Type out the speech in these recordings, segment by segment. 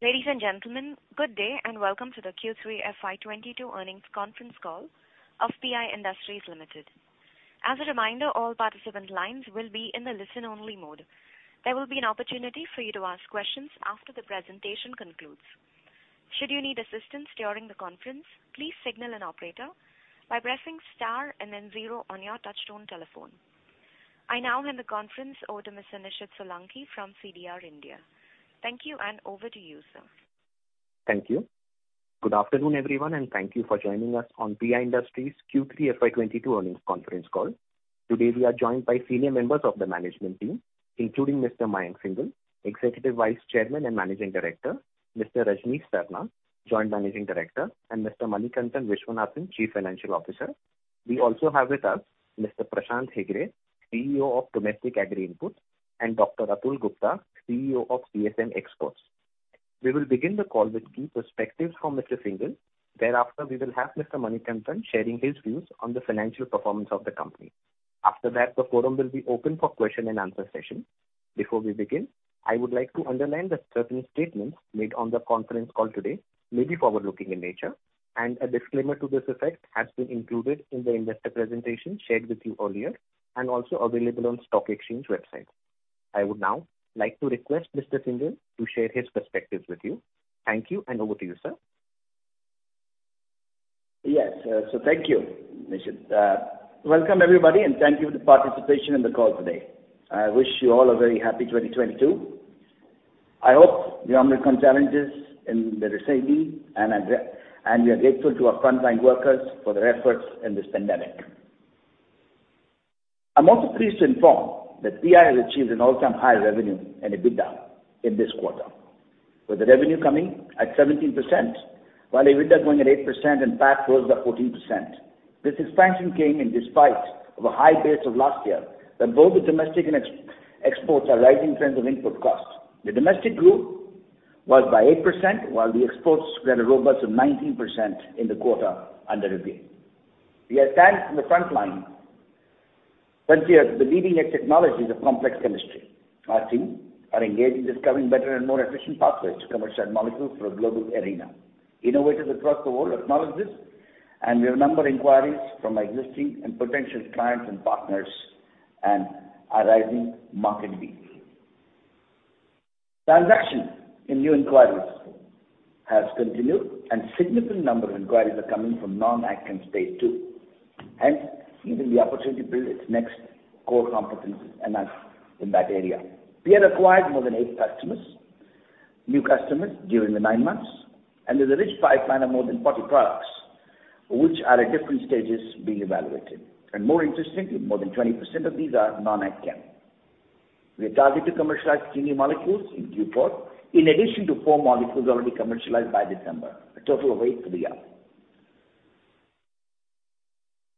Ladies and gentlemen, good day and welcome to the Q3 FY 2022 earnings conference call of PI Industries Limited. As a reminder, all participant lines will be in the listen-only mode. There will be an opportunity for you to ask questions after the presentation concludes. Should you need assistance during the conference, please signal an operator by pressing star and then zero on your touchtone telephone. I now hand the conference over to Mr. Nishid Solanki from CDR India. Thank you, and over to you, sir. Thank you. Good afternoon, everyone, and thank you for joining us on PI Industries Q3 FY 2022 earnings conference call. Today, we are joined by senior members of the management team, including Mr. Mayank Singhal, Executive Vice Chairman and Managing Director, Mr. Rajnish Sarna, Joint Managing Director, and Mr. Manikantan Viswanathan, Chief Financial Officer. We also have with us Mr. Prashant Hegde, CEO of Domestic Agri Inputs, and Dr. Atul Gupta, CEO of CSM Exports. We will begin the call with key perspectives from Mr. Singhal. Thereafter, we will have Mr. Manikantan sharing his views on the financial performance of the company. After that, the forum will be open for question and answer session. Before we begin, I would like to underline that certain statements made on the conference call today may be forward-looking in nature, and a disclaimer to this effect has been included in the investor presentation shared with you earlier and also available on stock exchange website. I would now like to request Mr. Singhal to share his perspectives with you. Thank you, and over to you, sir. Thank you, Nishid. Welcome everybody, and thank you for the participation in the call today. I wish you all a very happy 2022. I hope you have overcome challenges in the recent year, and we are grateful to our frontline workers for their efforts in this pandemic. I'm also pleased to inform that PI has achieved an all-time high revenue and EBITDA in this quarter, with the revenue coming at 17% while EBITDA going at 8% and PAT grows at 14%. This expansion came despite a high base of last year and rising input costs. The domestic grew by 8%, while the exports grew a robust 19% in the quarter under review. We stand in the front line since we are the leading edge in complex chemistry. Our team are engaged in discovering better and more efficient pathways to commercial molecules for a global arena. Innovators across the world acknowledge this, and we have a number of inquiries from existing and potential clients and partners in a rising market. But transactions and new inquiries have continued, and significant number of inquiries are coming from non-agrochem space too, giving the opportunity to build our next core competencies in that area. We have acquired more than 8 customers, new customers during the 9 months, and there's a rich pipeline of more than 40 products which are at different stages being evaluated. More interestingly, more than 20% of these are non-agrochem. We are targeting to commercialize three new molecules in Q4, in addition to four molecules already commercialized by December, a total of eight for the year.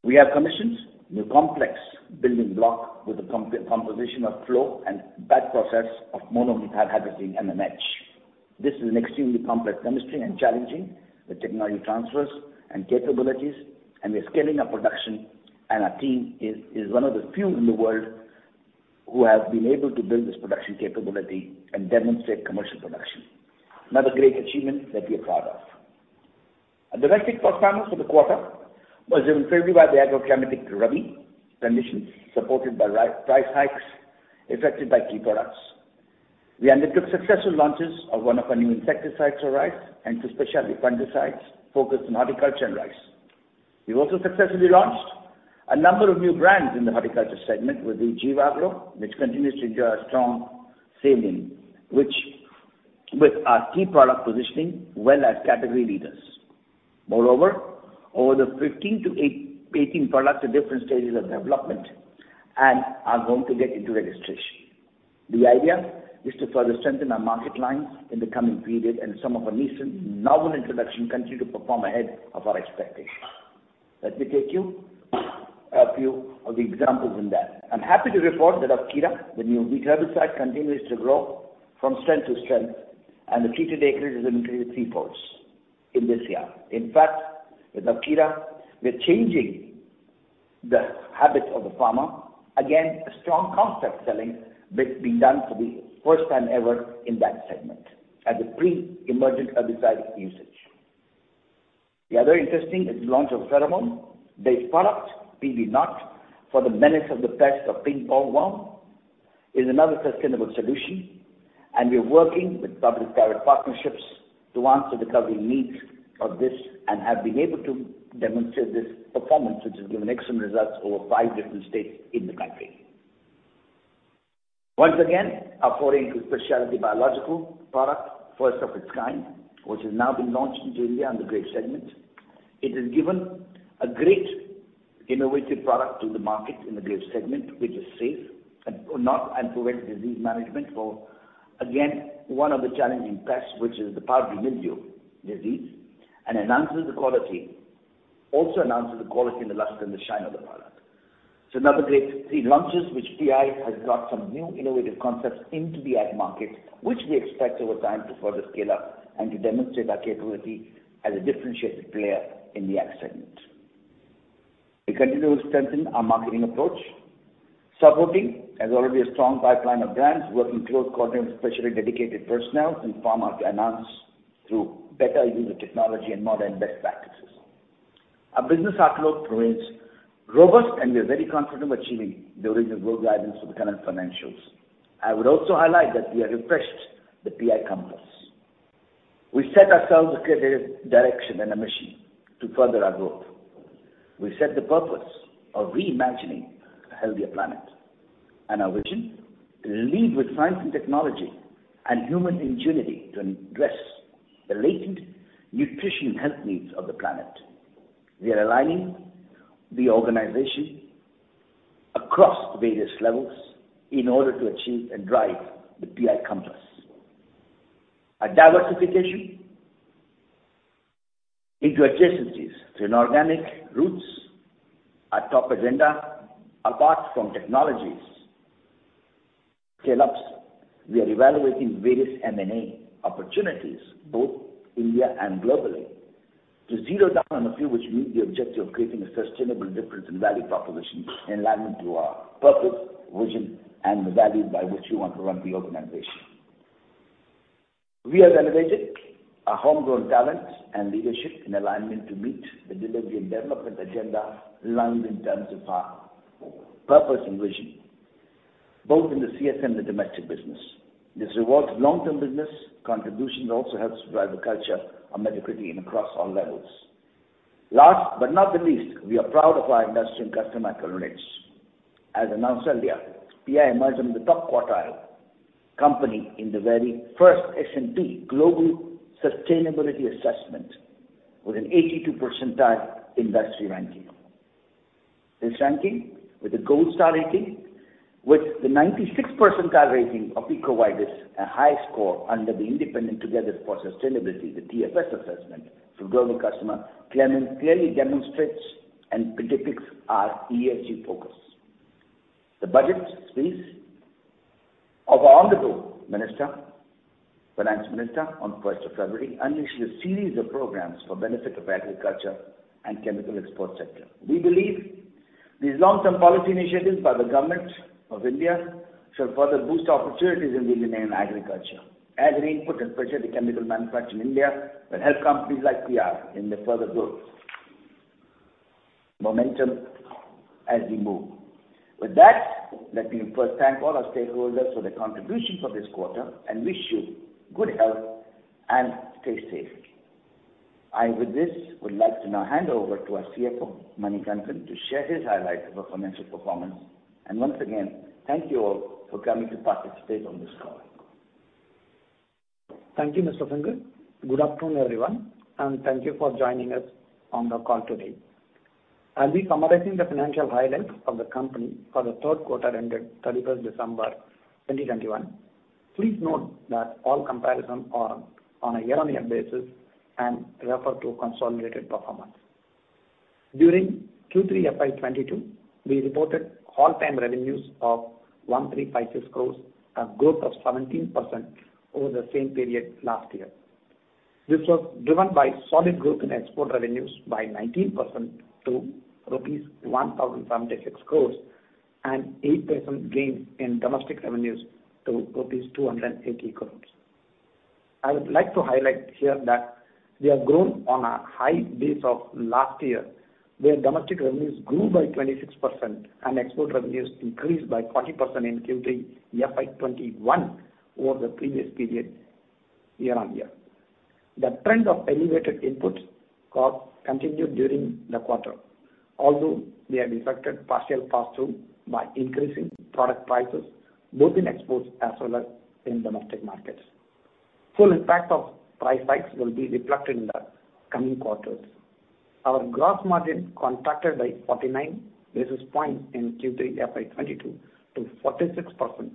We have commissioned new complex building block with the composition of flow and batch process of monomethylhydrazine MMH. This is an extremely complex chemistry and challenging the technology transfers and capabilities, and we are scaling up production, and our team is one of the few in the world who have been able to build this production capability and demonstrate commercial production. Another great achievement that we are proud of. Our domestic performance for the quarter was driven favorably by the agroclimatic rabi conditions, supported by price hikes effected by key products. We undertook successful launches of one of our new insecticides for rice and two specialty fungicides focused on horticulture and rice. We've also successfully launched a number of new brands in the horticulture segment with Jivagro, which continues to enjoy a strong standing, which with our key product positioning as well as category leaders. Moreover, over the 15 to 18 products at different stages of development and are going to get into registration. The idea is to further strengthen our market lines in the coming period, and some of our recent novel introduction continue to perform ahead of our expectations. Let me take you through a few of the examples in that. I'm happy to report that AWKIRA, the new weed herbicide, continues to grow from strength to strength, and the treated acres has increased threefold in this year. In fact, with AWKIRA, we're changing the habits of the farmer. Again, a strong concept selling that's being done for the first time ever in that segment at the pre-emergent herbicide usage. The other interesting is the launch of pheromone-based product, PB Knot, for the menace of the pest of Pink Bollworm, is another sustainable solution. We are working with public-private partnerships to answer the growing needs of this and have been able to demonstrate this performance, which has given excellent results over five different states in the country. Once again, our foray into specialty biological product, first of its kind, which has now been launched in India in the grape segment. It has given a great innovative product to the market in the grape segment, which is safe and prevents disease management for, again, one of the challenging pests, which is the powdery mildew disease, and enhances the quality and the luster and the shine of the product. Another great three launches which PI has brought some new innovative concepts into the ag market, which we expect over time to further scale up and to demonstrate our capability as a differentiated player in the ag segment. We continue to strengthen our marketing approach. Subordie has already a strong pipeline of brands working close quarters with specially dedicated personnel in pharma to enhance through better user technology and modern best practices. Our business outlook remains robust, and we are very confident of achieving the original growth guidance for the current financials. I would also highlight that we have refreshed the PI Compass. We set ourselves a clear direction and a mission to further our growth. We set the purpose of reimagining a healthier planet and our vision to lead with science and technology and human ingenuity to address the latent nutrition health needs of the planet. We are aligning the organization across various levels in order to achieve and drive the PI Compass. Our diversification into adjacencies through inorganic routes is our top agenda, apart from technology scale-ups. We are evaluating various M&A opportunities, both in India and globally, to zero in on a few which meet the objective of creating a sustainable difference in value proposition in alignment with our purpose, vision, and the values by which we want to run the organization. We have elevated our homegrown talent and leadership in alignment to meet the delivery and development agenda aligned in terms of our purpose and vision, both in the CSM and the domestic business. This rewards long-term business contributions, also helps drive a culture of meritocracy across all levels. Last but not the least, we are proud of our investor and customer accolades. As announced earlier, PI emerged in the top quartile company in the very first S&P Global Sustainability Assessment with an 82 percentile industry ranking. This ranking, with a gold star rating, with the 96th percentile rating of EcoVadis, a high score under the independent Together for Sustainability, the TFS assessment for global customer clearly demonstrates and predicts our ESG focus. The budget speech of our honorable Finance Minister on first of February unleashed a series of programs for benefit of agriculture and chemical export sector. We believe these long-term policy initiatives by the government of India shall further boost opportunities in the Indian agriculture. Agri inputs and pressure on the chemical manufacturers in India will help companies like PI in the further growth momentum as we move. With that, let me first thank all our stakeholders for their contributions for this quarter and wish you good health and stay safe. I, with this, would like to now hand over to our CFO, Manikantan, to share his highlights of our financial performance. Once again, thank you all for coming to participate on this call. Thank you, Mr. Singhal. Good afternoon, everyone, and thank you for joining us on the call today. I'll be summarizing the financial highlights of the company for the third quarter ended December 31, 2021. Please note that all comparisons are on a year-on-year basis and refer to consolidated performance. During Q3 FY 2022, we reported all-time revenues of 1,356 crores, a growth of 17% over the same period last year. This was driven by solid growth in export revenues by 19% to rupees 1,076 crores and 8% gain in domestic revenues to rupees 280 crores. I would like to highlight here that we have grown on a high base of last year, where domestic revenues grew by 26% and export revenues increased by 40% in Q3 FY 2021 over the previous period year-on-year. The trend of elevated input cost continued during the quarter, although we have reflected partial cost through by increasing product prices both in exports as well as in domestic markets. Full impact of price hikes will be reflected in the coming quarters. Our gross margin contracted by 49 basis points in Q3 FY 2022 to 46%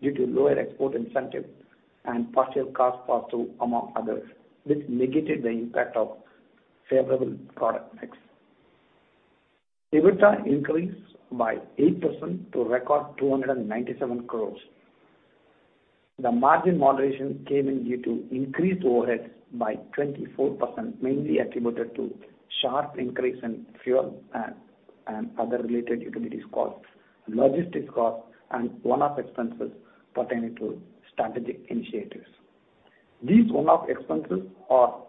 due to lower export incentive and partial cost pass-through, among others, which negated the impact of favorable product mix. EBITDA increased by 8% to record 297 crore. The margin moderation came in due to increased overheads by 24%, mainly attributed to sharp increase in fuel and other related utilities costs, logistics costs, and one-off expenses pertaining to strategic initiatives. These one-off expenses are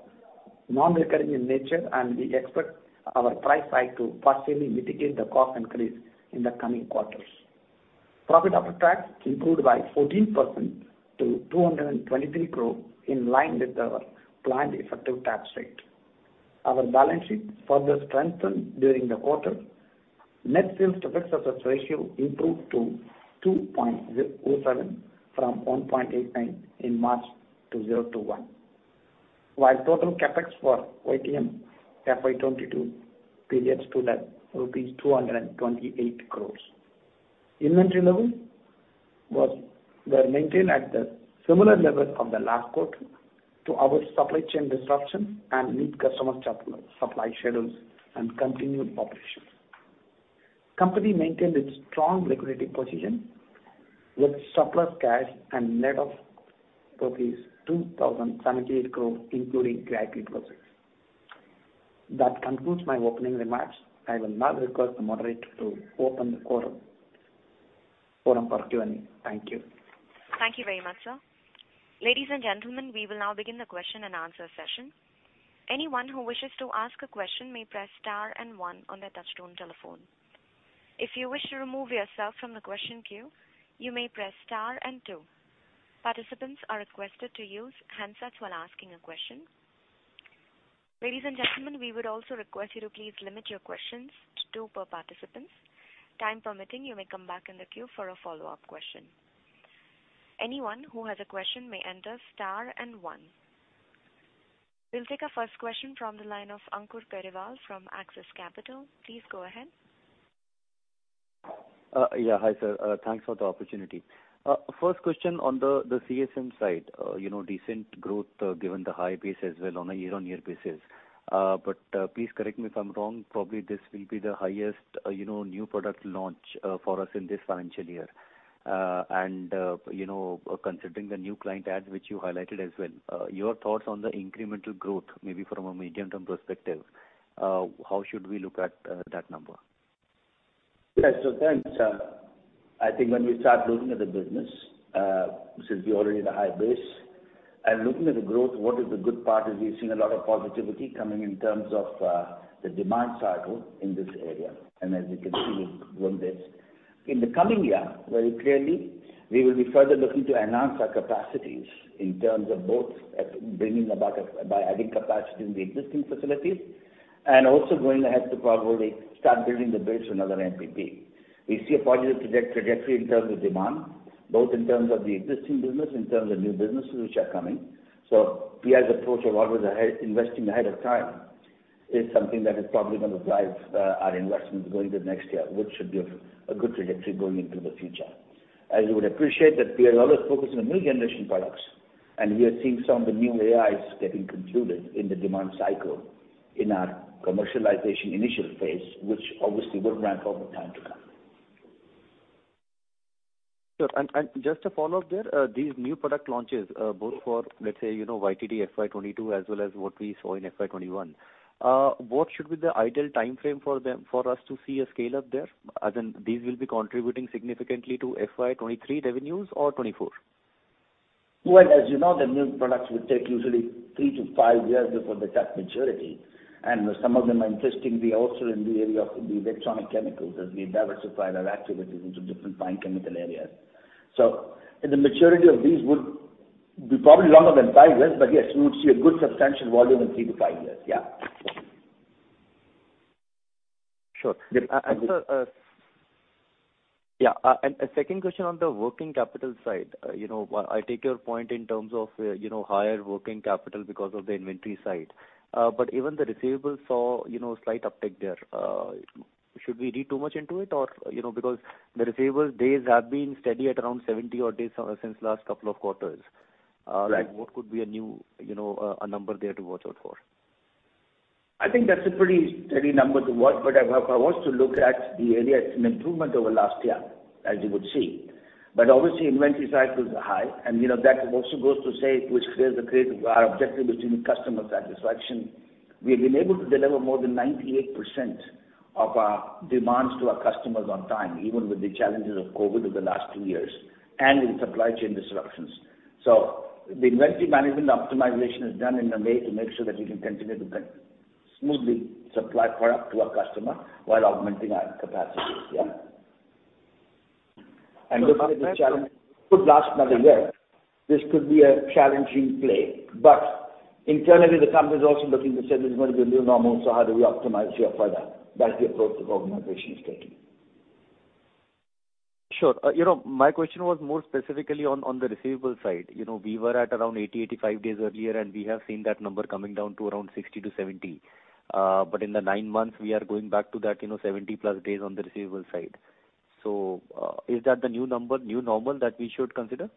non-recurring in nature, and we expect our price hike to partially mitigate the cost increase in the coming quarters. Profit after tax improved by 14% to 223 crore, in line with our planned effective tax rate. Our balance sheet further strengthened during the quarter. Net sales to fixed assets ratio improved to 2.07 from 1.89 in March '21. Total CapEx for YTD FY 2022 stood at INR 228 crore. Inventory level was maintained at the similar level of the last quarter despite our supply chain disruption to meet customer supply schedules and continued operations. Company maintained its strong liquidity position. With surplus cash and net of rupees 2,078 crore, including CWIP projects. That concludes my opening remarks. I will now request the moderator to open the forum for Q&A. Thank you. Thank you very much, sir. Ladies and gentlemen, we will now begin the question and answer session. Anyone who wishes to ask a question may press star and one on their touchtone telephone. If you wish to remove yourself from the question queue, you may press star and two. Participants are requested to use handsets while asking a question. Ladies and gentlemen, we would also request you to please limit your questions to two per participant. Time permitting, you may come back in the queue for a follow-up question. Anyone who has a question may enter star and one. We'll take our first question from the line of Ankur Periwal from Axis Capital. Please go ahead. Hi, sir. Thanks for the opportunity. First question on the CSM side. You know, decent growth, given the high base as well on a year-on-year basis. Please correct me if I'm wrong, probably this will be the highest, you know, new product launch for us in this financial year. You know, considering the new client adds, which you highlighted as well, your thoughts on the incremental growth, maybe from a medium-term perspective, how should we look at that number? Yes. Thanks, I think when we start looking at the business, since we're already at a high base and looking at the growth, what is the good part is we've seen a lot of positivity coming in terms of the demand cycle in this area, and as you can see on high base. In the coming year, very clearly, we will be further looking to enhance our capacities in terms of both, by adding capacity in the existing facilities and also going ahead to probably start building the base for another MPP. We see a positive trajectory in terms of demand, both in terms of the existing business, in terms of new businesses which are coming. PI's approach of always ahead, investing ahead of time is something that is probably gonna drive our investments going to the next year, which should give a good trajectory going into the future. As you would appreciate that we are always focused on new generation products, and we are seeing some of the new AIs getting concluded in the demand cycle in our commercialization initial phase, which obviously will ramp up in time to come. Sure. Just a follow-up there, these new product launches, both for let's say, you know, YTD FY 2022 as well as what we saw in FY 2021, what should be the ideal timeframe for them, for us to see a scale up there? As in these will be contributing significantly to FY 2023 revenues or 2024? Well, as you know, the new products will take usually 3-5 years before they touch maturity. Some of them are interestingly also in the area of the electronic chemicals as we diversify our activities into different fine chemical areas. The maturity of these would be probably longer than 5 years. Yes, we would see a good substantial volume in 3-5 years. Yeah. Sure. Yes, Ankur. A second question on the working capital side. You know, I take your point in terms of, you know, higher working capital because of the inventory side. Even the receivables saw, you know, slight uptick there. Should we read too much into it or, you know, because the receivables days have been steady at around 70-odd days since last couple of quarters. Right. Like, what could be a new, you know, a number there to watch out for? I think that's a pretty steady number to watch. If I was to look at the area, it's an improvement over last year, as you would see. Obviously inventory cycles are high and, you know, that also goes to show which creates a greater balance between customer satisfaction. We've been able to deliver more than 98% of our demands to our customers on time, even with the challenges of COVID over the last two years and in supply chain disruptions. The inventory management optimization is done in a way to make sure that we can continue to smoothly supply product to our customer while augmenting our capacities. Yeah. Looking at the challenge could last another year, this could be a challenging play, but internally the company is also looking to say this is going to be a new normal, so how do we optimize here further? That's the approach that organization is taking. Sure. You know, my question was more specifically on the receivables side. You know, we were at around 80-85 days earlier, and we have seen that number coming down to around 60-70. But in the 9 months we are going back to that, you know, 70+ days on the receivables side. Is that the new number, new normal that we should consider?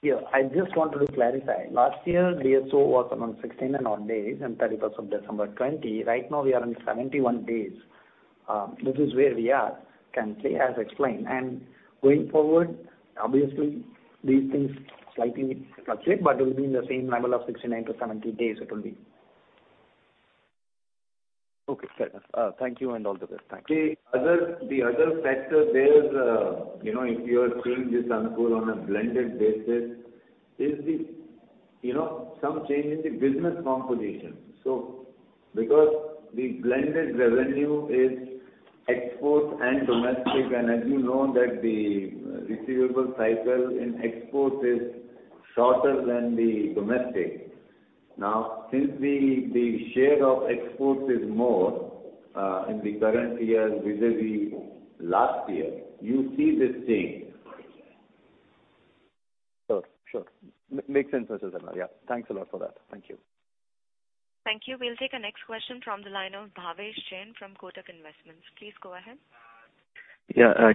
Yeah. I just wanted to clarify. Last year, DSO was around 16 and odd days and 31st of December 2020. Right now we are in 71 days. This is where we are, can say, as explained. Going forward, obviously these things slightly fluctuate, but it will be in the same level of 69-70 days it will be. Okay. Fair enough. Thank you and all the best. Thanks. The other factor there is, you know, if you are seeing this on the call on a blended basis is the, you know, some change in the business composition. Because the blended revenue is exports and domestic, and as you know that the receivable cycle in exports is shorter than the domestic. Now, since the share of exports is more, in the current year vis-à-vis last year, you see this change. Sure. Makes sense. Yeah. Thanks a lot for that. Thank you. Thank you. We'll take our next question from the line of Bhavesh Jain from Kotak Investments. Please go ahead.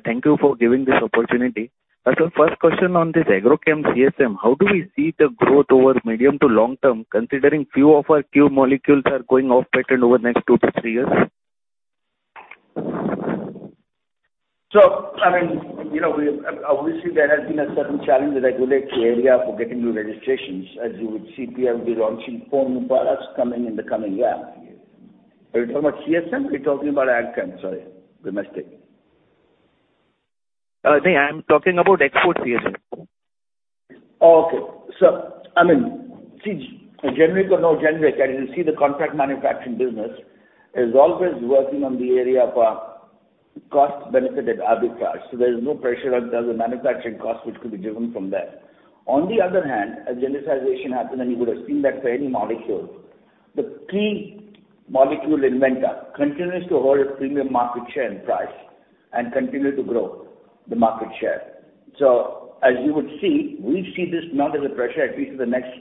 Thank you for giving this opportunity. First question on this Agrochem CSM, how do we see the growth over medium to long term, considering few of our key molecules are going off patent over the next two to three years? I mean, you know, obviously, there has been a certain challenge in the regulatory area for getting new registrations. As you would see, we have been launching 4 new products coming in the coming year. Are you talking about CSM or you're talking about domestic, sorry, domestic? No, I'm talking about export CSM. Okay. I mean, see, generic or no generic, as you see, the contract manufacturing business is always working on the area of cost-benefited arbitrage, so there is no pressure on the manufacturing cost which could be driven from there. On the other hand, as genericization happened, and you would have seen that for any molecule, the key molecule inventor continues to hold a premium market share and price and continue to grow the market share. As you would see, we see this not as a pressure, at least for the next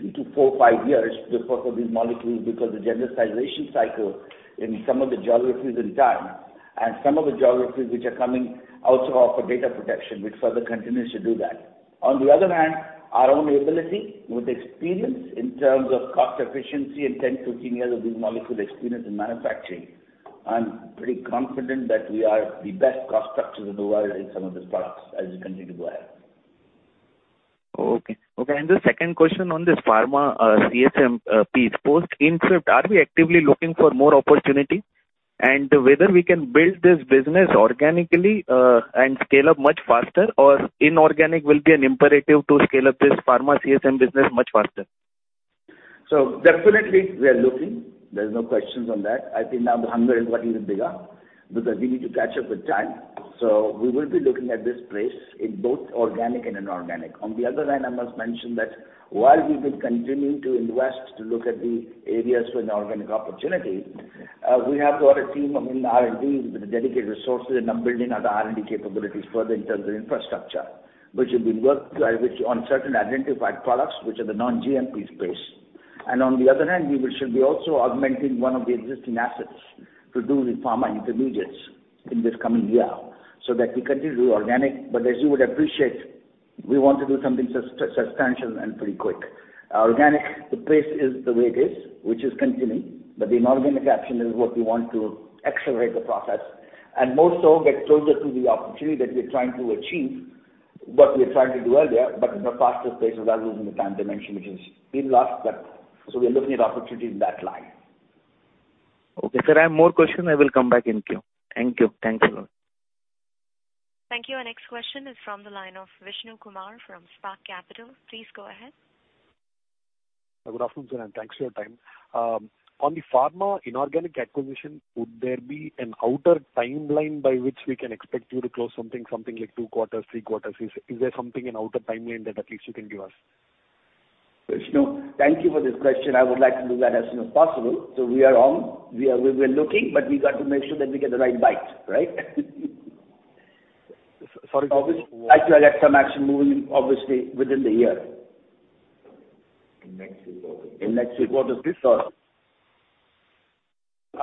3-5 years for these molecules because the genericization cycle in some of the geographies in time and some of the geographies which are coming also offer data protection, which further continues to do that. On the other hand, our own ability with experience in terms of cost efficiency and 10, 15 years of these molecule experience in manufacturing, I'm pretty confident that we are the best cost structures in the world in some of these products as we continue to go ahead. Okay, the second question on this pharma CSM piece. Post Isagro, are we actively looking for more opportunity, and whether we can build this business organically, and scale up much faster or inorganic will be an imperative to scale up this pharma CSM business much faster? Definitely we are looking. There's no questions on that. I think now the hunger is what is bigger because we need to catch up with time. We will be looking at this place in both organic and inorganic. On the other hand, I must mention that while we will continue to invest to look at the areas for an organic opportunity, we have got a team, I mean, R&D with the dedicated resources, and I'm building out the R&D capabilities further in terms of infrastructure, which have been worked on certain identified products which are the non-GMP space. On the other hand, we should be also augmenting one of the existing assets to do the pharma intermediates in this coming year so that we continue to do organic. As you would appreciate, we want to do something substantial and pretty quick. The organic pace is the way it is, which is continuing. The inorganic action is what we want to accelerate the process and more so get closer to the opportunity that we're trying to achieve, what we're trying to do earlier but in a faster pace without losing the time dimension, which is pretty lost. We are looking at opportunity in that line. Okay. Sir, I have more questions. I will come back in queue. Thank you. Thanks a lot. Thank you. Our next question is from the line of Vishnu Kumar from Spark Capital. Please go ahead. Good afternoon, sir, and thanks for your time. On the pharma inorganic acquisition, would there be an outer timeline by which we can expect you to close something like two quarters, three quarters? Is there something, an outer timeline that at least you can give us? Vishnu, thank you for this question. I would like to do that as soon as possible. We're looking, but we got to make sure that we get the right bite, right? Sorry. Obviously, I'd like to have some action moving obviously within the year. In next few quarters this or?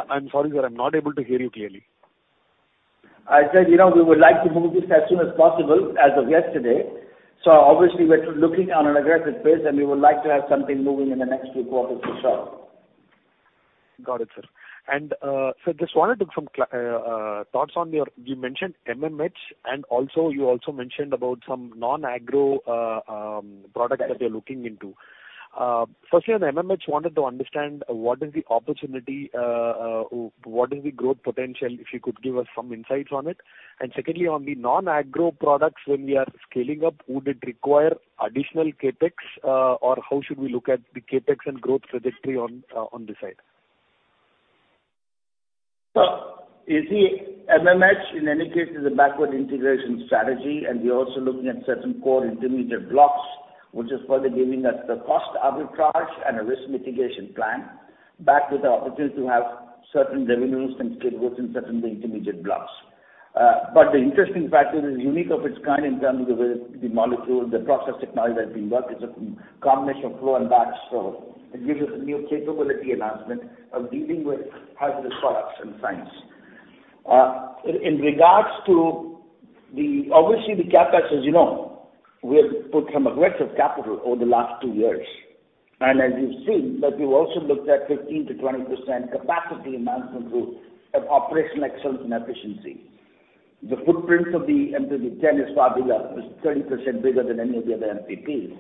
I'm sorry, sir, I'm not able to hear you clearly. I said, you know, we would like to move this as soon as possible as of yesterday. Obviously we're looking on an aggressive pace, and we would like to have something moving in the next few quarters for sure. Got it, sir. Sir, just wanted to confirm. You mentioned Monomethylhydrazine, and also you also mentioned about some non-agro products that you're looking into. Firstly on Monomethylhydrazine, wanted to understand what is the opportunity, what is the growth potential, if you could give us some insights on it. Secondly, on the non-agro products, when we are scaling up, would it require additional CapEx? Or how should we look at the CapEx and growth trajectory on this side? You see MMH in any case is a backward integration strategy, and we're also looking at certain core intermediate blocks, which is further giving us the cost arbitrage and a risk mitigation plan backed with the opportunity to have certain revenues and scale growth in certain intermediate blocks. But the interesting factor is unique of its kind in terms of the molecule, the process technology that we work is a combination of flow and batch, so it gives us a new capability enhancement of dealing with hazardous products and science. In regards to the obviously the CapEx, as you know, we have put some aggressive capital over the last two years. As you've seen, that we've also looked at 15%-20% capacity enhancement through operational excellence and efficiency. The footprints of the MPP 10 is fabulous. It's 30% bigger than any of the other MPPs.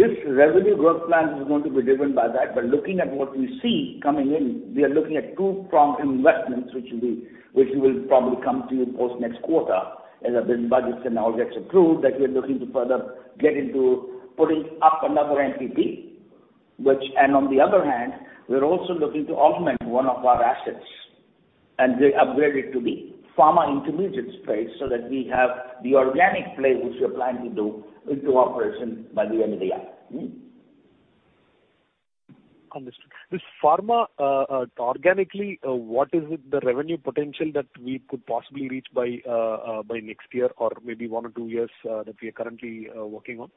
This revenue growth plan is going to be driven by that. Looking at what we see coming in, we are looking at two prong investments, which we will probably come to you post next quarter as our business budgets and all gets approved, that we're looking to further get into putting up another MPP, and on the other hand, we're also looking to augment one of our assets and upgrade it to the pharma intermediate space so that we have the organic play which we are planning to do into operation by the end of the year. Understood. This Pharma, organically, what is the revenue potential that we could possibly reach by next year or maybe one or two years that we are currently working on?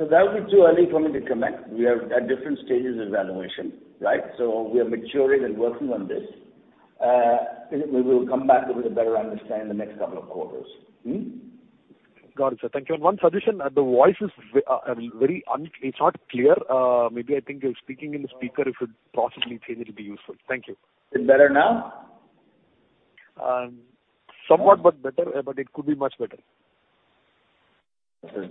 That'll be too early for me to comment. We are at different stages of evaluation, right? We are maturing and working on this. We will come back with a better understanding in the next couple of quarters. Got it, sir. Thank you. One suggestion, the voice is very unclear. Maybe I think you're speaking in the speaker. If you possibly change, it'll be useful. Thank you. Is it better now? Somewhat, but better. It could be much better. Okay.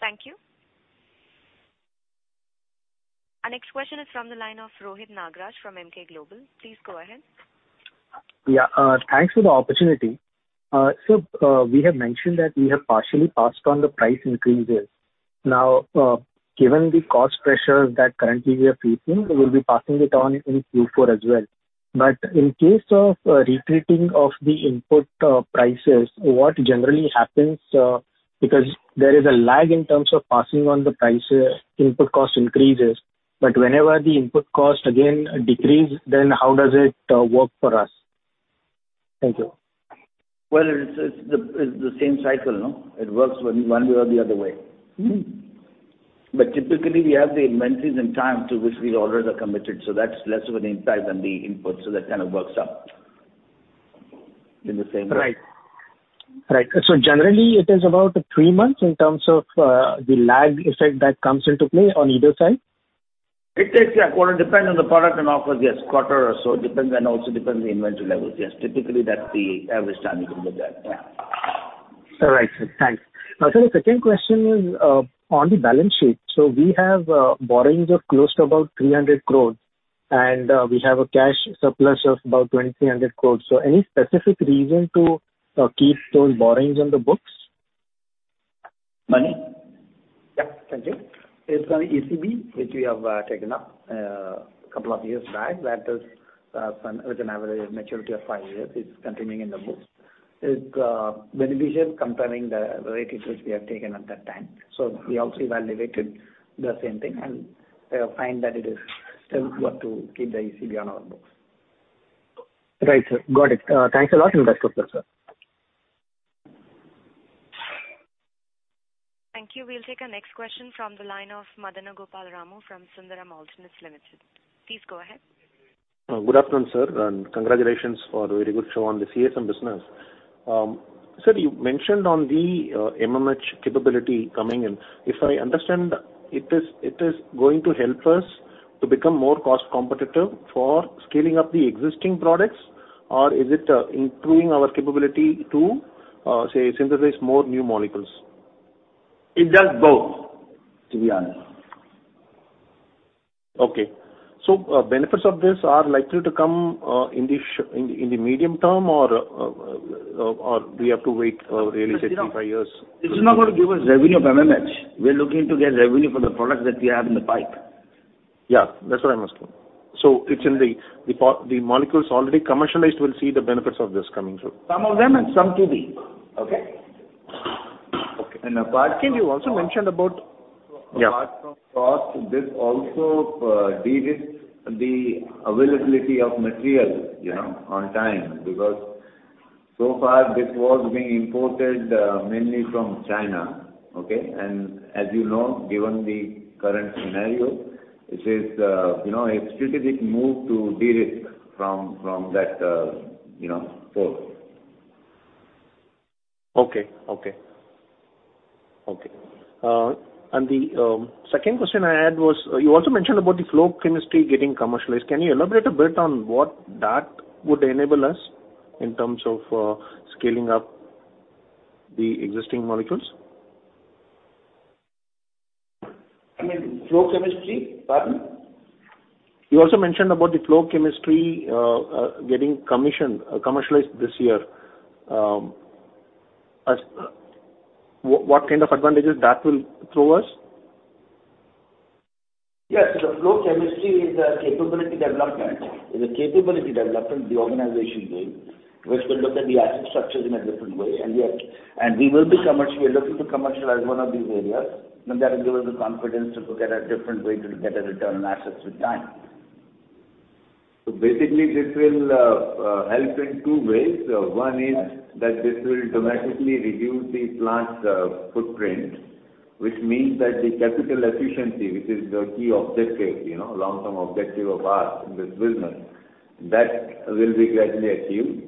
Thank you. Our next question is from the line of Rohit Nagraj from Emkay Global. Please go ahead. Yeah. Thanks for the opportunity. So, we have mentioned that we have partially passed on the price increases. Now, given the cost pressures that currently we are facing, we'll be passing it on in Q4 as well. In case of retreating of the input prices, what generally happens? Because there is a lag in terms of passing on the price input cost increases. Whenever the input cost again decrease, then how does it work for us? Thank you. Well, it's the same cycle, no? It works one way or the other way. Mm-hmm. Typically we have the inventories and the time to which our orders are committed, so that's less of an impact than the inputs, so that kind of works out in the same way. Right. Generally, it is about three months in terms of the lag effect that comes into play on either side? It takes, yeah, quarter. Depends on the product and output. Yes, quarter or so. Depends on the inventory levels. Yes. Typically, that's the average time you can look at. Yeah. All right, sir. Thanks. Now, sir, the second question is on the balance sheet. We have borrowings of close to about 300 crores, and we have a cash surplus of about 2,300 crores. Any specific reason to keep those borrowings on the books? Mani? Yeah. Thank you. It's from ECB, which we have taken up couple of years back that is, with an average maturity of five years. It's continuing in the books. It's beneficial comparing the rate at which we have taken at that time. We also evaluated the same thing and find that it is still worth to keep the ECB on our books. Right, sir. Got it. Thanks a lot and best wishes, sir. Thank you. We'll take our next question from the line of Madanagopal Ramu from Sundaram Alternates. Please go ahead. Good afternoon, sir, and congratulations for the very good show on the CSM business. Sir, you mentioned on the Monomethylhydrazine capability coming in. If I understand, it is going to help us to become more cost competitive for scaling up the existing products, or is it improving our capability to say, synthesize more new molecules? It does both, to be honest. Benefits of this are likely to come in the medium term or do we have to wait really three to five years? This is not gonna give us revenue of Monomethylhydrazine. We're looking to get revenue for the products that we have in the pipe. Yeah. That's what I'm asking. It's in the molecules already commercialized will see the benefits of this coming through. Some of them and some to be. Okay. Okay. Apart from Can you also mention about? Yeah. Apart from costs, this also de-risks the availability of material. Yeah. You know, on time. Because so far this was being imported mainly from China, okay? As you know, given the current scenario, this is you know, a strategic move to de-risk from that source. Okay. The second question I had was, you also mentioned about the flow chemistry getting commercialized. Can you elaborate a bit on what that would enable us in terms of scaling up the existing molecules? You mean flow chemistry? Pardon? You also mentioned about the flow chemistry getting commissioned, commercialized this year. What kind of advantages that will throw us? Yes. The flow chemistry is a capability development the organization is doing, which will look at the asset structures in a different way. We are looking to commercialize one of these areas, and that will give us the confidence to look at a different way to get a return on assets with time. Basically this will help in two ways. One is that this will dramatically reduce the plant's footprint, which means that the capital efficiency, which is the key objective, you know, long-term objective of ours in this business, that will be greatly achieved.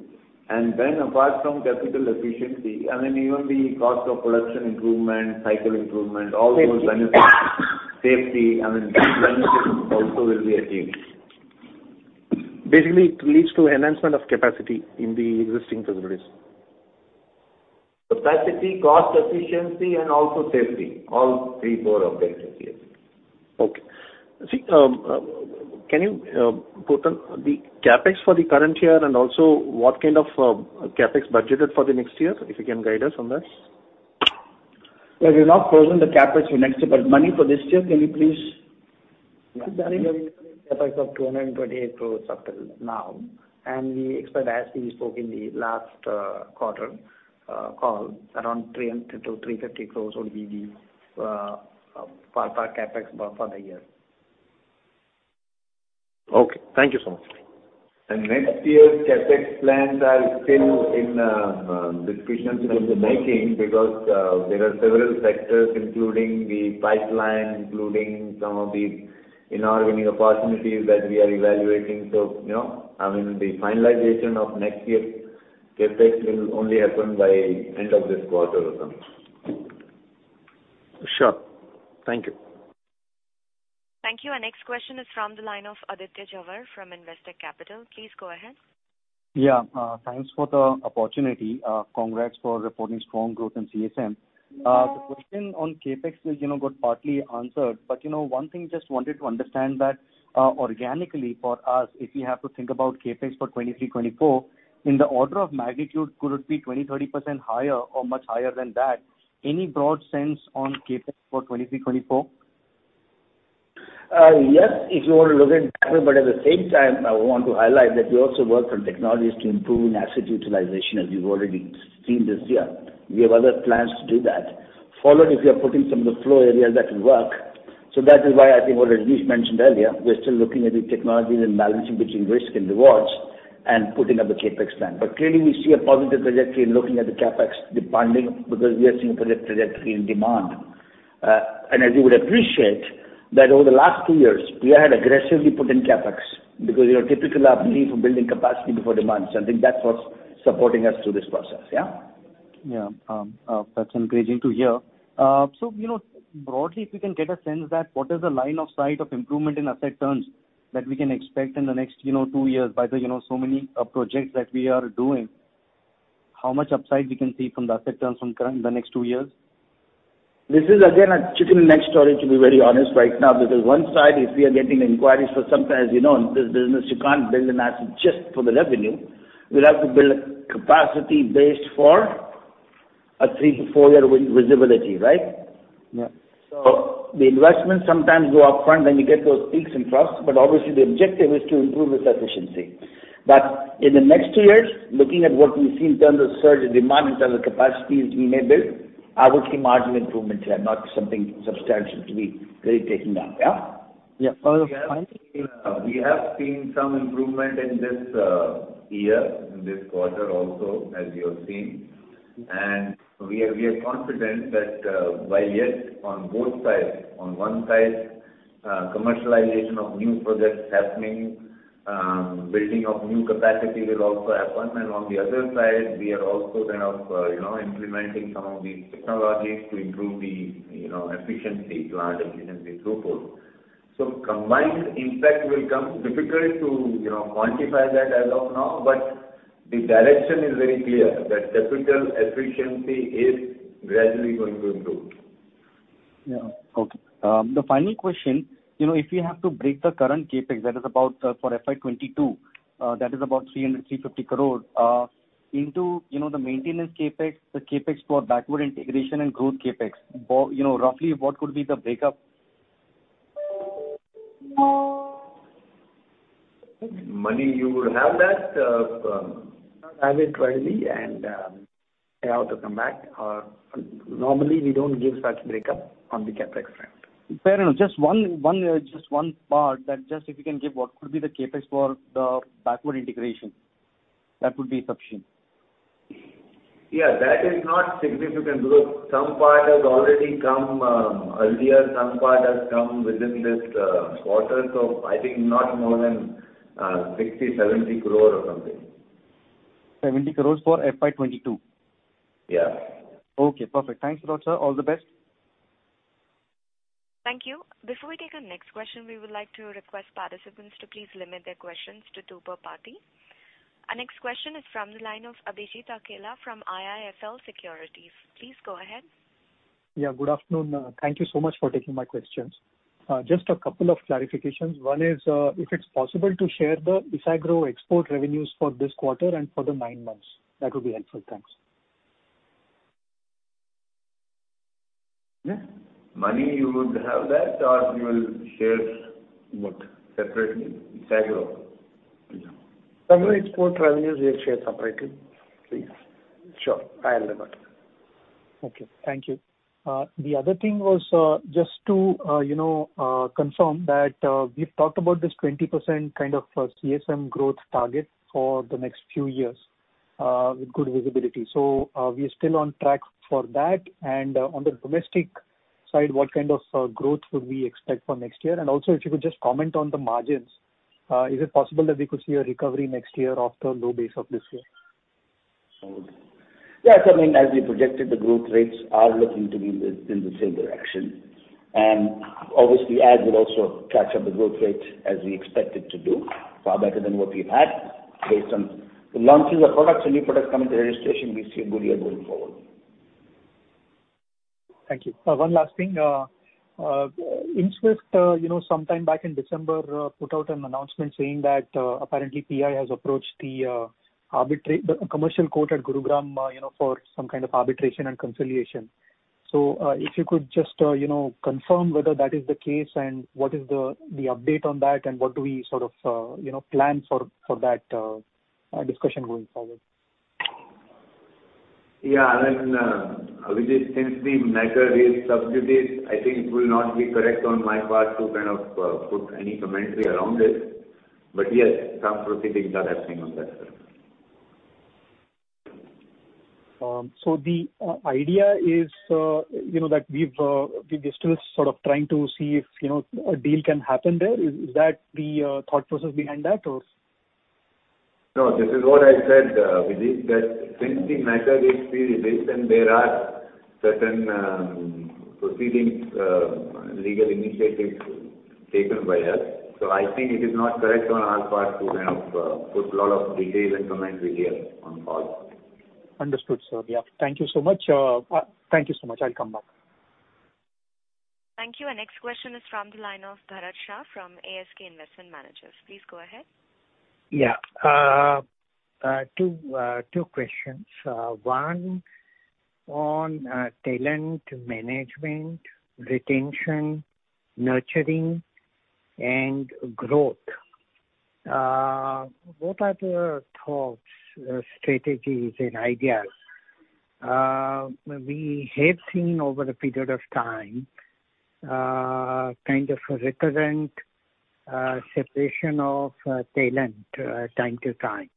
Apart from capital efficiency, I mean, even the cost of production improvement, cycle improvement, all those benefits. Safety. Safety, I mean, these benefits also will be achieved. Basically, it leads to enhancement of capacity in the existing facilities. Capacity, cost efficiency, and also safety. All three core objectives, yes. Okay. See, can you put on the CapEx for the current year and also what kind of CapEx budgeted for the next year? If you can guide us on this. Well, we've not frozen the CapEx for next year, but Mani, for this year, can you please give that information? We have CapEx of 228 crores up till now. We expect, as we spoke in the last quarter call, around 300 crores-350 crores would be the ballpark CapEx for the year. Okay. Thank you so much. Next year's CapEx plans are still in discussions in the making because there are several factors including the pipeline, some of the inorganic opportunities that we are evaluating. You know, I mean, the finalization of next year's CapEx will only happen by end of this quarter or something. Sure. Thank you. Thank you. Our next question is from the line of Aditya Jhawar from Investec Capital. Please go ahead. Yeah, thanks for the opportunity. Congrats for reporting strong growth in CSM. The question on CapEx is, you know, got partly answered, but, you know, one thing just wanted to understand that, organically for us, if we have to think about CapEx for 2023, 2024, in the order of magnitude could it be 20%-30% higher or much higher than that? Any broad sense on CapEx for 2023, 2024? Yes, if you want to look at that, but at the same time, I want to highlight that we also work on technologies to improve asset utilization as we've already seen this year. We have other plans to do that. That is why I think what Rajesh mentioned earlier, we're still looking at the technologies and balancing between risk and rewards and putting up a CapEx plan. Clearly we see a positive trajectory in looking at the CapEx depending because we are seeing a project trajectory in demand. As you would appreciate that over the last two years, we had aggressively put in CapEx because, you know, typical of need for building capacity before demand. I think that's what's supporting us through this process. Yeah. Yeah. That's encouraging to hear. You know, broadly, if you can get a sense that what is the line of sight of improvement in asset turns that we can expect in the next, you know, two years by the, you know, so many projects that we are doing. How much upside we can see from the asset turns from the next two years? This is again a chicken and egg story, to be very honest right now. Because on one side, if we are getting inquiries from time to time, you know, in this business, you can't build an asset just for the revenue. We'll have to build capacity based on a 3-4-year with visibility, right? Yeah. The investments sometimes go up front, then you get those peaks and troughs. Obviously the objective is to improve this efficiency. In the next two years, looking at what we see in terms of surge in demand, in terms of capacities we may build, I would see marginal improvements here, not something substantial to be really taking down. Yeah. Yeah. Follow-up, final. We have seen some improvement in this year, in this quarter also, as you have seen. We are confident that, while yes, on both sides, on one side, commercialization of new projects happening, building of new capacity will also happen. On the other side, we are also kind of, you know, implementing some of these technologies to improve the, you know, efficiency, plant efficiency throughput. Combined impact will come difficult to, you know, quantify that as of now, but the direction is very clear that capital efficiency is gradually going to improve. The final question, you know, if we have to break the current CapEx, that is about 300-350 crore for FY 2022, into, you know, the maintenance CapEx, the CapEx for backward integration and growth CapEx, you know, roughly what could be the breakup? Mani, you would have that. Have it ready and I have to come back. Normally we don't give such break-up on the CapEx front. Fair enough. Just one part that just if you can give what could be the CapEx for the backward integration. That would be sufficient. Yeah. That is not significant because some part has already come earlier, some part has come within this quarter. I think not more than 60-70 crore or something. 70 crore for FY 2022? Yeah. Okay. Perfect. Thanks a lot, sir. All the best. Thank you. Before we take our next question, we would like to request participants to please limit their questions to two per party. Our next question is from the line of Abhijit Akella from IIFL Securities. Please go ahead. Yeah, good afternoon. Thank you so much for taking my questions. Just a couple of clarifications. One is, if it's possible to share the Isagro export revenues for this quarter and for the nine months. That would be helpful. Thanks. Yeah. Mani, you would have that, or you will share what? Separately? Isagro. Isagro export revenues we'll share separately. Please. Sure. I'll do that. Okay. Thank you. The other thing was, just to, you know, confirm that, we've talked about this 20% kind of CSM growth target for the next few years, with good visibility. We are still on track for that. On the domestic side, what kind of growth would we expect for next year? Also if you could just comment on the margins, is it possible that we could see a recovery next year after low base of this year? Yeah. I mean, as we projected, the growth rates are looking to be in the same direction. Obviously, ads will also catch up the growth rate as we expect it to do, far better than what we've had based on the launches of products and new products coming to registration. We see a good year going forward. Thank you. One last thing. Isagro, you know, sometime back in December, put out an announcement saying that, apparently PI has approached the commercial court at Gurugram, you know, for some kind of arbitration and conciliation. If you could just, you know, confirm whether that is the case and what is the update on that and what do we sort of, you know, plan for that discussion going forward? Yeah. Abhijit, since the matter is sub judice, I think it will not be correct on my part to kind of put any commentary around it. Yes, some proceedings are happening on that front. The idea is, you know, that we're still sort of trying to see if, you know, a deal can happen there. Is that the thought process behind that, or? No, this is what I said, Vijay, that since the matter is still recent, there are certain proceedings, legal initiatives taken by us. I think it is not correct on our part to kind of put lot of details and comments in here on the call. Understood, sir. Yeah. Thank you so much. I'll come back. Thank you. Our next question is from the line of Bharat Shah from ASK Investment Managers. Please go ahead. Yeah. Two questions. One on talent management, retention, nurturing and growth. What are the thoughts, strategies and ideas? We have seen over a period of time kind of a recurrent separation of talent from time to time.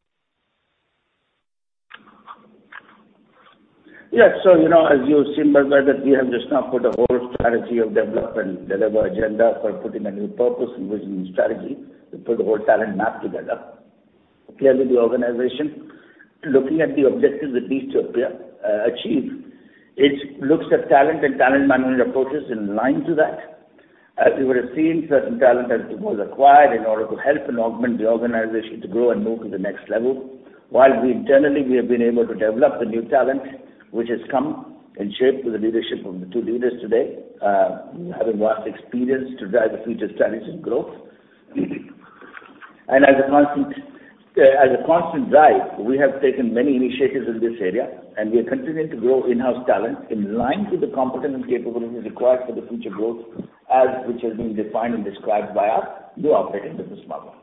Yes. You know, as you've seen, Bharat Shah, that we have just now put a whole strategy of development, deliver agenda for putting a new purpose and vision and strategy to put the whole talent map together. Clearly the organization, looking at the objectives it needs to achieve, it looks at talent and talent management approaches in line to that. As you would have seen, certain talent was acquired in order to help and augment the organization to grow and move to the next level. While we internally have been able to develop the new talent which has come and shaped with the leadership of the two leaders today, having vast experience to drive the future strategies and growth. As a constant drive, we have taken many initiatives in this area, and we are continuing to grow in-house talent in line with the competence and capabilities required for the future growth as which has been defined and described by us through operating business model.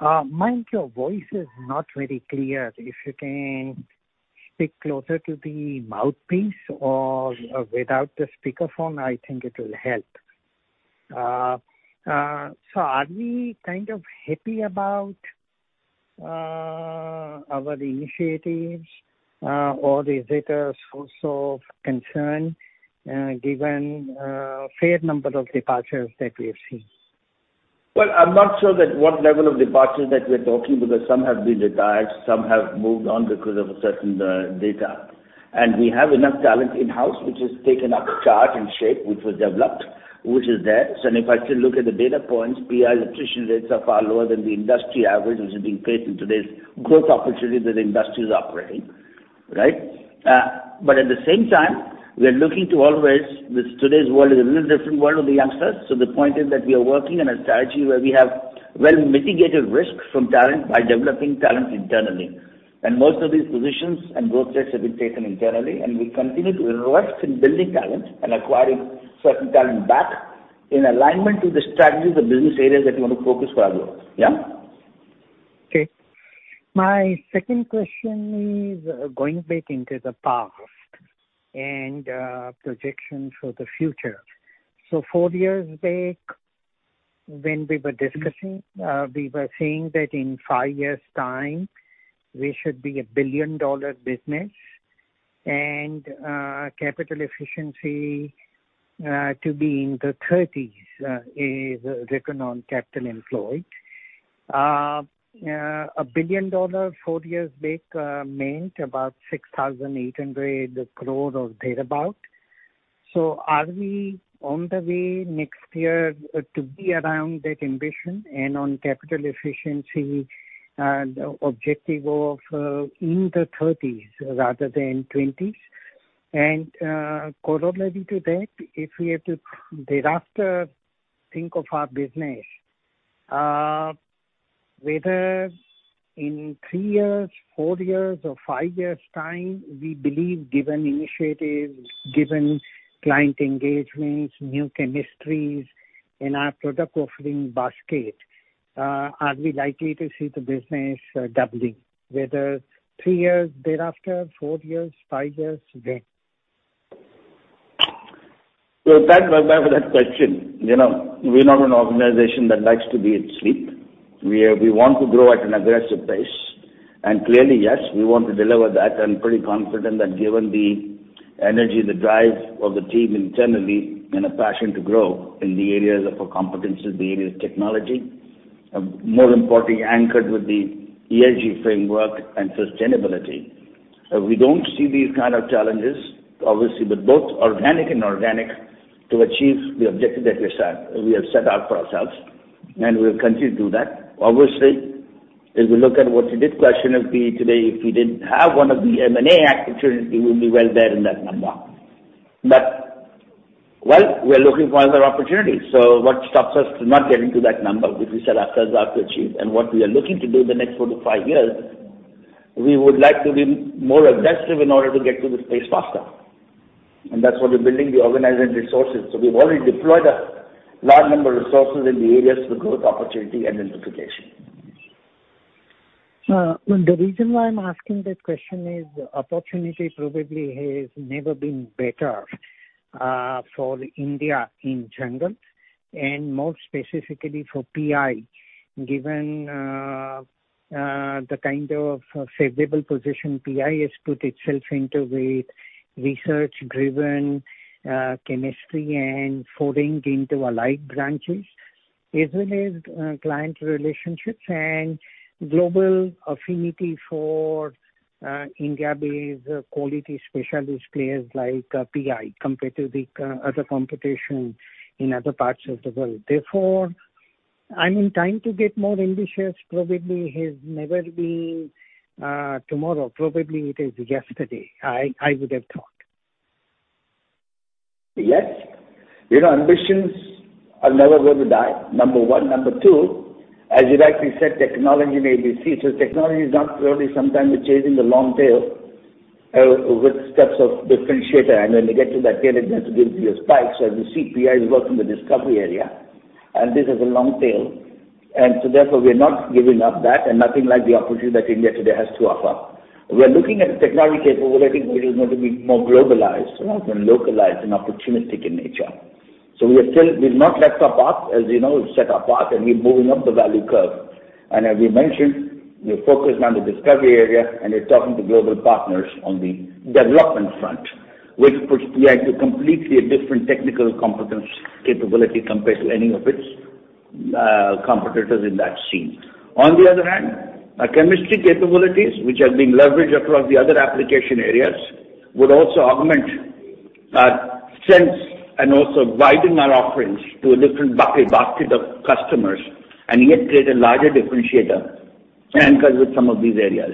Mayank, your voice is not very clear. If you can speak closer to the mouthpiece or without the speakerphone, I think it will help. Are we kind of happy about our initiatives, or is it a source of concern, given a fair number of departures that we have seen? Well, I'm not sure that what level of departure that we're talking because some have been retired, some have moved on because of a certain data. We have enough talent in-house which has taken up charge and shape, which was developed, which is there. If I still look at the data points, PI attrition rates are far lower than the industry average, which is being faced in today's growth opportunities that industry is operating, right? At the same time, we are looking to always with today's world is a little different world of the youngsters. The point is that we are working on a strategy where we have well mitigated risks from talent by developing talent internally. Most of these positions and growth rates have been taken internally, and we continue to invest in building talent and acquiring certain talent back in alignment to the strategies of business areas that we want to focus for our growth. Yeah. Okay. My second question is going back into the past and projections for the future. Four years back when we were discussing, we were saying that in five years' time we should be a $1 billion-dollar business and capital efficiency to be in the 30s% is written on capital employed. A $1 billion four years back meant about 6,800 crore or thereabout. Are we on the way next year to be around that ambition and on capital efficiency the objective of in the 30s% rather than 20s%? Correlating to that, if we have to thereafter think of our business, whether in three years, four years or five years' time, we believe given initiatives, given client engagements, new chemistries in our product offering basket, are we likely to see the business doubling, whether 3 years thereafter, four years, five years then? With that, Bharat, for that question, you know, we're not an organization that likes to be asleep. We want to grow at an aggressive pace. Clearly, yes, we want to deliver that. I'm pretty confident that given the energy, the drive of the team internally and a passion to grow in the areas of our competencies, the areas of technology, more importantly anchored with the ESG framework and sustainability, we don't see these kind of challenges, obviously, with both organic and inorganic to achieve the objective that we have set out for ourselves. We'll continue to do that. Obviously, as we look at what Siddharth questioned of me today, if we didn't have one of the M&A opportunities, we will be well there in that number. Well, we are looking for other opportunities. What stops us to not getting to that number which we set ourselves out to achieve and what we are looking to do in the next four to five years, we would like to be more aggressive in order to get to the space faster. That's what we're building the organizing resources. We've already deployed a large number of resources in the areas for growth opportunity and diversification. The reason why I'm asking this question is opportunity probably has never been better for India in general and more specifically for PI, given the kind of favorable position PI has put itself into with research-driven chemistry and foraying into allied branches, as well as client relationships and global affinity for India-based quality specialist players like PI compared to the other competition in other parts of the world. Therefore, I mean, time to get more ambitious probably has never been tomorrow. Probably it is yesterday. I would have thought. Yes. You know, ambitions are never going to die, 1. 2, as you rightly said, technology may be key. Technology is not really sometimes changing the long tail, with steps of differentiator. When you get to that tail, it has to give you a spike. As you see, PI is working the discovery area, and this is a long tail. Therefore, we are not giving up that and nothing like the opportunity that India today has to offer. We are looking at technology capability which is going to be more globalized rather than localized and opportunistic in nature. We are still. We've not left our path. As you know, we've set our path and we're moving up the value curve. As we mentioned, we're focused on the discovery area, and we're talking to global partners on the development front, which puts PI in a completely different technical competence capability compared to any of its competitors in that scene. On the other hand, our chemistry capabilities, which are being leveraged across the other application areas, would also augment our strengths and also widen our offerings to a different basket of customers and yet create a larger differentiator and cover some of these areas.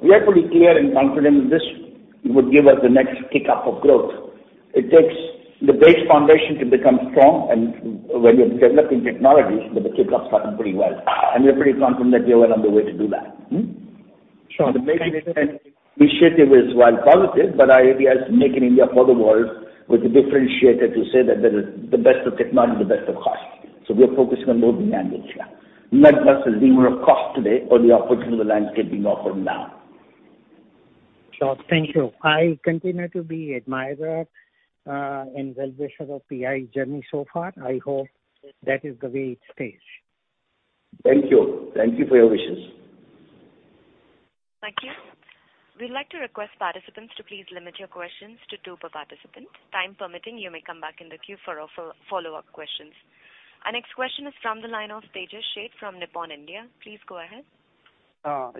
We are pretty clear and confident this would give us the next kick up of growth. It takes the base foundation to become strong and when you're developing technologies, but the kick up started pretty well. We're pretty confident we are well on the way to do that. Sure. Thank you. The Make in India initiative is well positive, but our idea is to make in India for the world with a differentiator to say that there is the best of technology and the best of cost. We are focusing on both the mandates here, not versus lever of cost today or the opportunity the landscape is offering now. Sure. Thank you. I continue to be an admirer, and well-wisher of PI journey so far. I hope that is the way it stays. Thank you. Thank you for your wishes. Thank you. We'd like to request participants to please limit your questions to two per participant. Time permitting, you may come back in the queue for a follow-up questions. Our next question is from the line of Tejas Sheth from Nippon India. Please go ahead.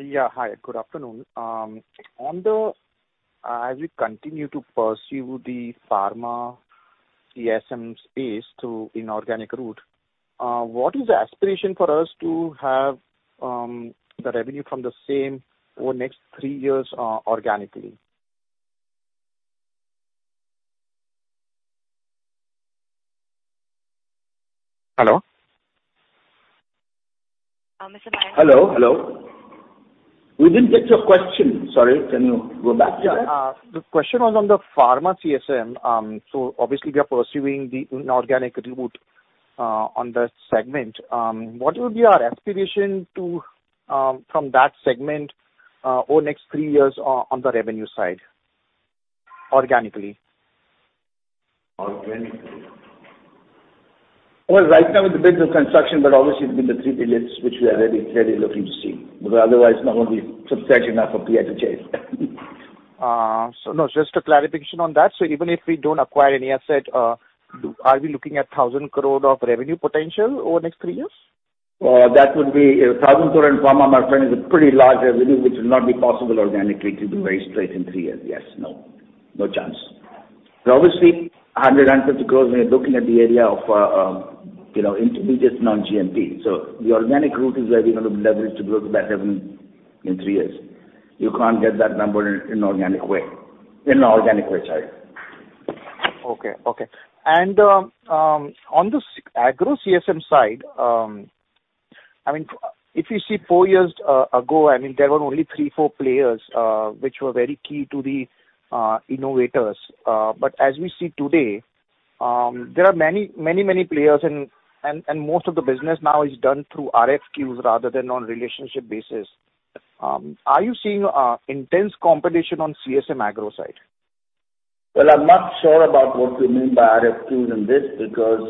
Yeah. Hi, good afternoon. On the, as we continue to pursue the pharma CSM space through inorganic route, what is the aspiration for us to have, the revenue from the same over next three years, organically? Hello? Hello. We didn't get your question. Sorry. Can you go back to that? The question was on the pharma CSM. Obviously we are pursuing the inorganic route on that segment. What will be our aspiration from that segment over next three years on the revenue side organically? Organically. Well, right now it's a business contribution, but obviously it's been the 3 billion which we are very, very looking to see. Otherwise it's not gonna be substantial enough for PI to chase. No, just a clarification on that. Even if we don't acquire any asset, are we looking at 1,000 crore of revenue potential over next 3 years? That would be 1,000 crore in pharma, my friend, is a pretty large revenue which will not be possible organically to do very straight in three years. Yes. No. No chance. Obviously, 150 crores, we are looking at the area of, you know, intermediates non-GMP. The organic route is where we're gonna leverage to build that revenue in three years. You can't get that number in inorganic way. In organic way, sorry. On this Agro CSM side, I mean, if you see four years ago, I mean, there were only three, four players which were very key to the innovators. As we see today, there are many players and most of the business now is done through RFQs rather than on relationship basis. Are you seeing intense competition on CSM Agro side? Well, I'm not sure about what you mean by RFQ in this because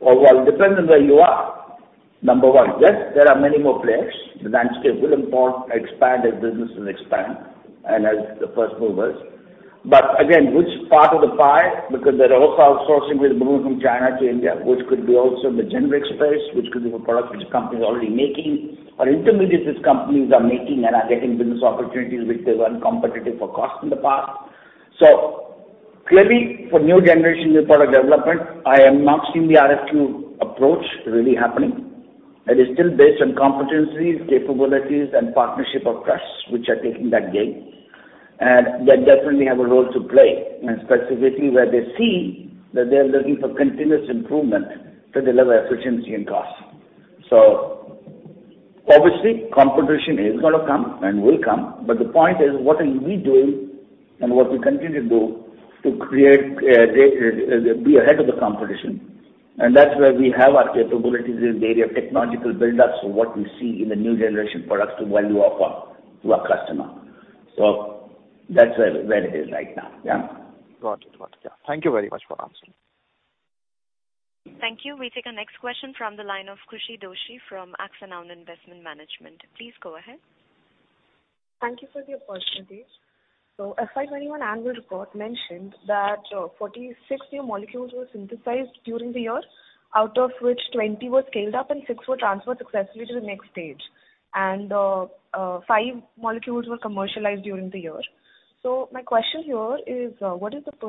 it depends on where you are. Number one, yes, there are many more players. The landscape will importantly expand as business will expand and as the first movers. Again, which part of the pie? Because there are also outsourcing which is moving from China to India, which could be also in the generic space, which could be for products which companies are already making. Intermediates which companies are making and are getting business opportunities which they were uncompetitive on cost in the past. Clearly for new generation with product development, I have not seen the RFQ approach really happening. It is still based on competencies, capabilities and partnerships of trust which are taking that game. That definitely have a role to play, and specifically where they see that they are looking for continuous improvement to deliver efficiency and cost. Obviously competition is gonna come and will come, but the point is what are we doing and what we continue to do to be ahead of the competition. That's where we have our capabilities in the area of technological build-ups. What we see in the new generation products to offer value to our customer. That's where it is right now. Got it. Yeah. Thank you very much for answering. Thank you. We take our next question from the line of Khushi Doshi from Axanoun Investment Management. Please go ahead. Thank you for the opportunity. FY 2021 annual report mentioned that 46 new molecules were synthesized during the year, out of which 20 were scaled up and 6 were transferred successfully to the next stage. Five molecules were commercialized during the year. My question here is what is the %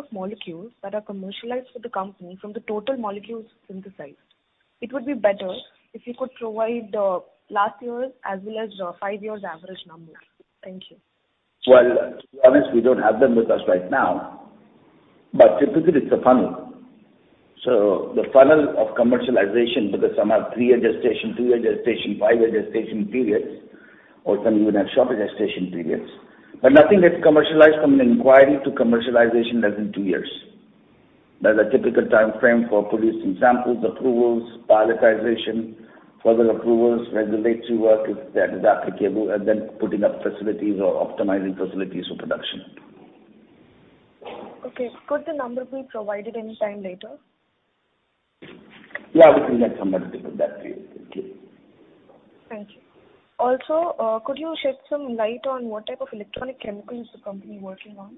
of molecules that are commercialized for the company from the total molecules synthesized? It would be better if you could provide last year's as well as five years' average numbers. Thank you. Well, to be honest, we don't have them with us right now, but typically it's a funnel. The funnel of commercialization, because some have pre-registration, five-year registration periods, or some even have short registration periods. Nothing gets commercialized from an inquiry to commercialization less than two years. That's a typical timeframe for producing samples, approvals, pilotization, further approvals, regulatory work if that is applicable, and then putting up facilities or optimizing facilities for production. Okay. Could the number be provided any time later? Yeah, we can get somebody to put that to you. Thank you. Thank you. Also, could you shed some light on what type of electronic chemicals the company is working on?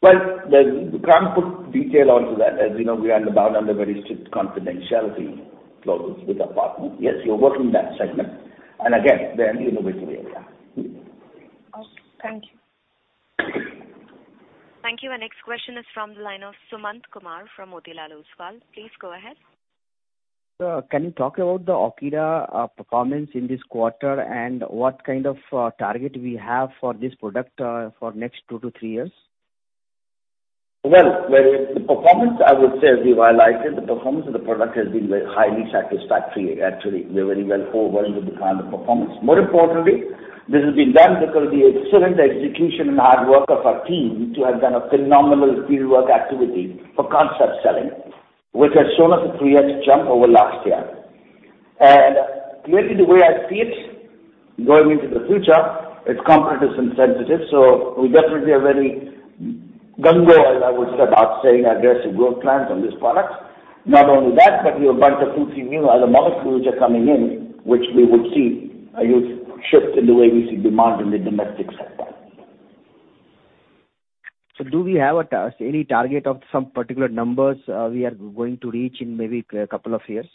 Well, we can't put detail onto that. As you know, we are bound under very strict confidentiality clauses with our partners. Yes, we are working in that segment. Again, they are in the innovative area. Okay. Thank you. Thank you. Our next question is from the line of Sumant Kumar from Motilal Oswal. Please go ahead. Sir, can you talk about the AWKIRA performance in this quarter and what kind of target we have for this product for next two to three years? Well, the performance, I would say, as we highlighted, the performance of the product has been very highly satisfactory actually. We're very well overwhelmed with the kind of performance. More importantly, this has been done because of the excellent execution and hard work of our team, who have done a phenomenal field work activity for concept selling, which has shown us a 30% jump over last year. Clearly, the way I see it, going into the future, it's competitively sensitive, so we definitely are very gung-ho, as I would say, about aggressive growth plans on this product. Not only that, but we have a bunch of 2, 3 new other molecules which are coming in, which we would see a huge shift in the way we see demand in the domestic sector. Do we have any target of some particular numbers we are going to reach in maybe a couple of years?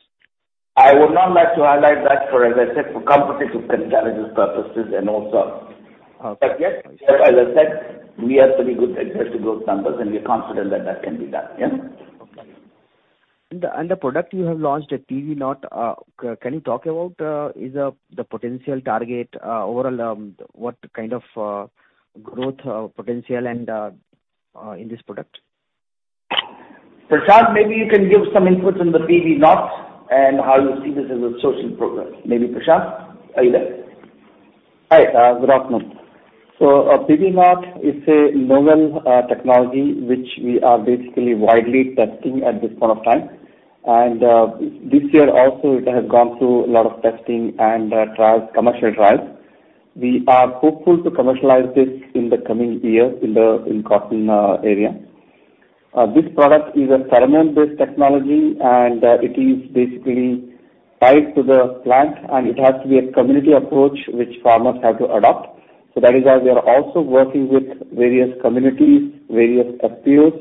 I would not like to highlight that for, as I said, for competitive challenges purposes and also. Okay. Yes, as I said, we have very good aggressive growth numbers, and we are confident that that can be done. Yeah. Okay. The product you have launched, PB Knot, can you talk about the potential target overall, what kind of growth potential and in this product? Prashant, maybe you can give some inputs on the PB Knot and how you see this as a social program. Maybe Prashant, are you there? Hi, good afternoon. PV Knot is a novel technology which we are basically widely testing at this point of time. This year also, it has gone through a lot of testing and trials, commercial trials. We are hopeful to commercialize this in the coming year in the cotton area. This product is a pheromone-based technology, and it is basically tied to the plant, and it has to be a community approach which farmers have to adopt. That is why we are also working with various communities, various FPOs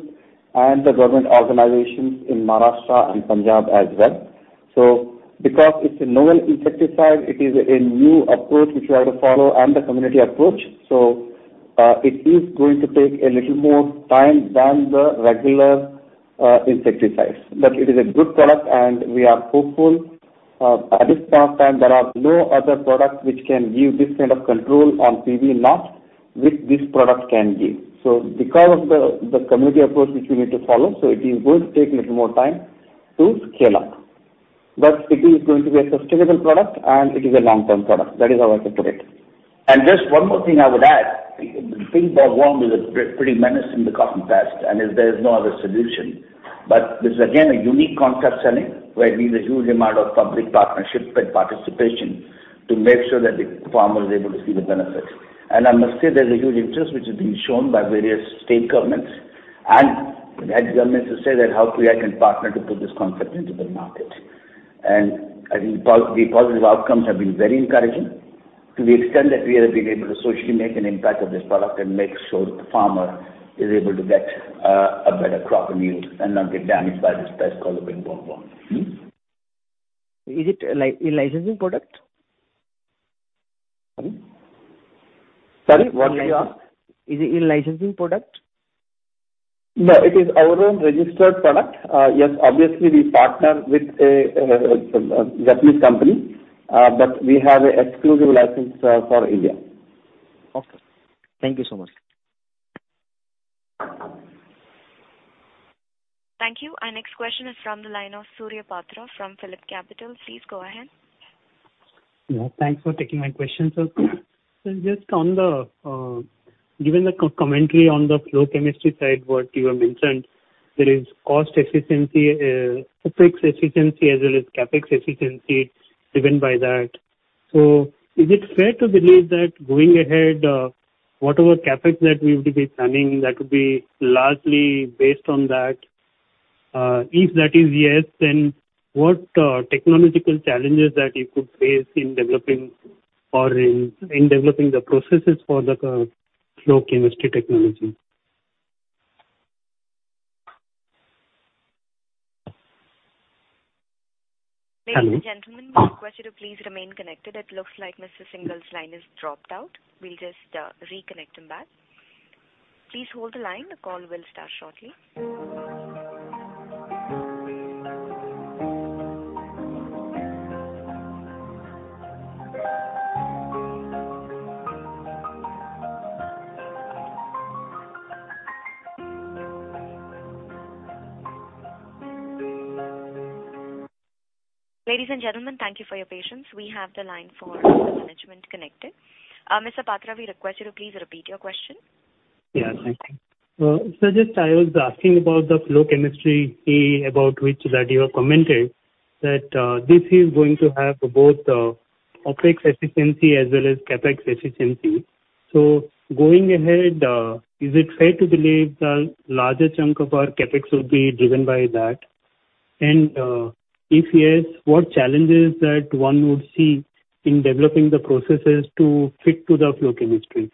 and the government organizations in Maharashtra and Punjab as well. Because it's a novel insecticide, it is a new approach which you have to follow and a community approach. It is going to take a little more time than the regular insecticides. It is a good product, and we are hopeful. At this point of time, there are no other products which can give this kind of control on PB Knot, which this product can give. Because of the community approach which we need to follow, so it is going to take a little more time to scale up. It is going to be a sustainable product and it is a long-term product. That is how I can put it. Just one more thing I would add. Pink Bollworm is a pretty menace in the cotton belt, and there is no other solution. This is again a unique concept selling, where we need a huge amount of public partnership and participation to make sure that the farmer is able to see the benefit. I must say there's a huge interest which is being shown by various state governments, and they have to say that how PI can partner to put this concept into the market. I think the positive outcomes have been very encouraging to the extent that we have been able to socially make an impact of this product and make sure that the farmer is able to get a better crop yield and not get damaged by this pest called the Pink Bollworm. Is it a licensing product? Sorry? Sorry, what did you ask? Is it a licensing product? No, it is our own registered product. Yes, obviously we partner with a Japanese company, but we have a exclusive license for India. Okay. Thank you so much. Thank you. Our next question is from the line of Surya Patra from PhillipCapital. Please go ahead. Yeah, thanks for taking my question, sir. Just on the given commentary on the flow chemistry side, what you have mentioned, there is cost efficiency, OpEx efficiency as well as CapEx efficiency driven by that. Is it fair to believe that going ahead, whatever CapEx that we would be planning, that would be largely based on that? If that is yes, then what technological challenges that you could face in developing the processes for the flow chemistry technology? Ladies and gentlemen, we request you to please remain connected. It looks like Mr. Singhal's line has dropped out. We'll just reconnect him back. Please hold the line. The call will start shortly. Ladies and gentlemen, thank you for your patience. We have the line for management connected. Mr. Patra, we request you to please repeat your question. Yeah, thank you. Just I was asking about the flow chemistry, about which that you have commented that, this is going to have both, OpEx efficiency as well as CapEx efficiency. Going ahead, is it fair to believe the largest chunk of our CapEx will be driven by that? If yes, what challenges that one would see in developing the processes to fit to the flow chemistry?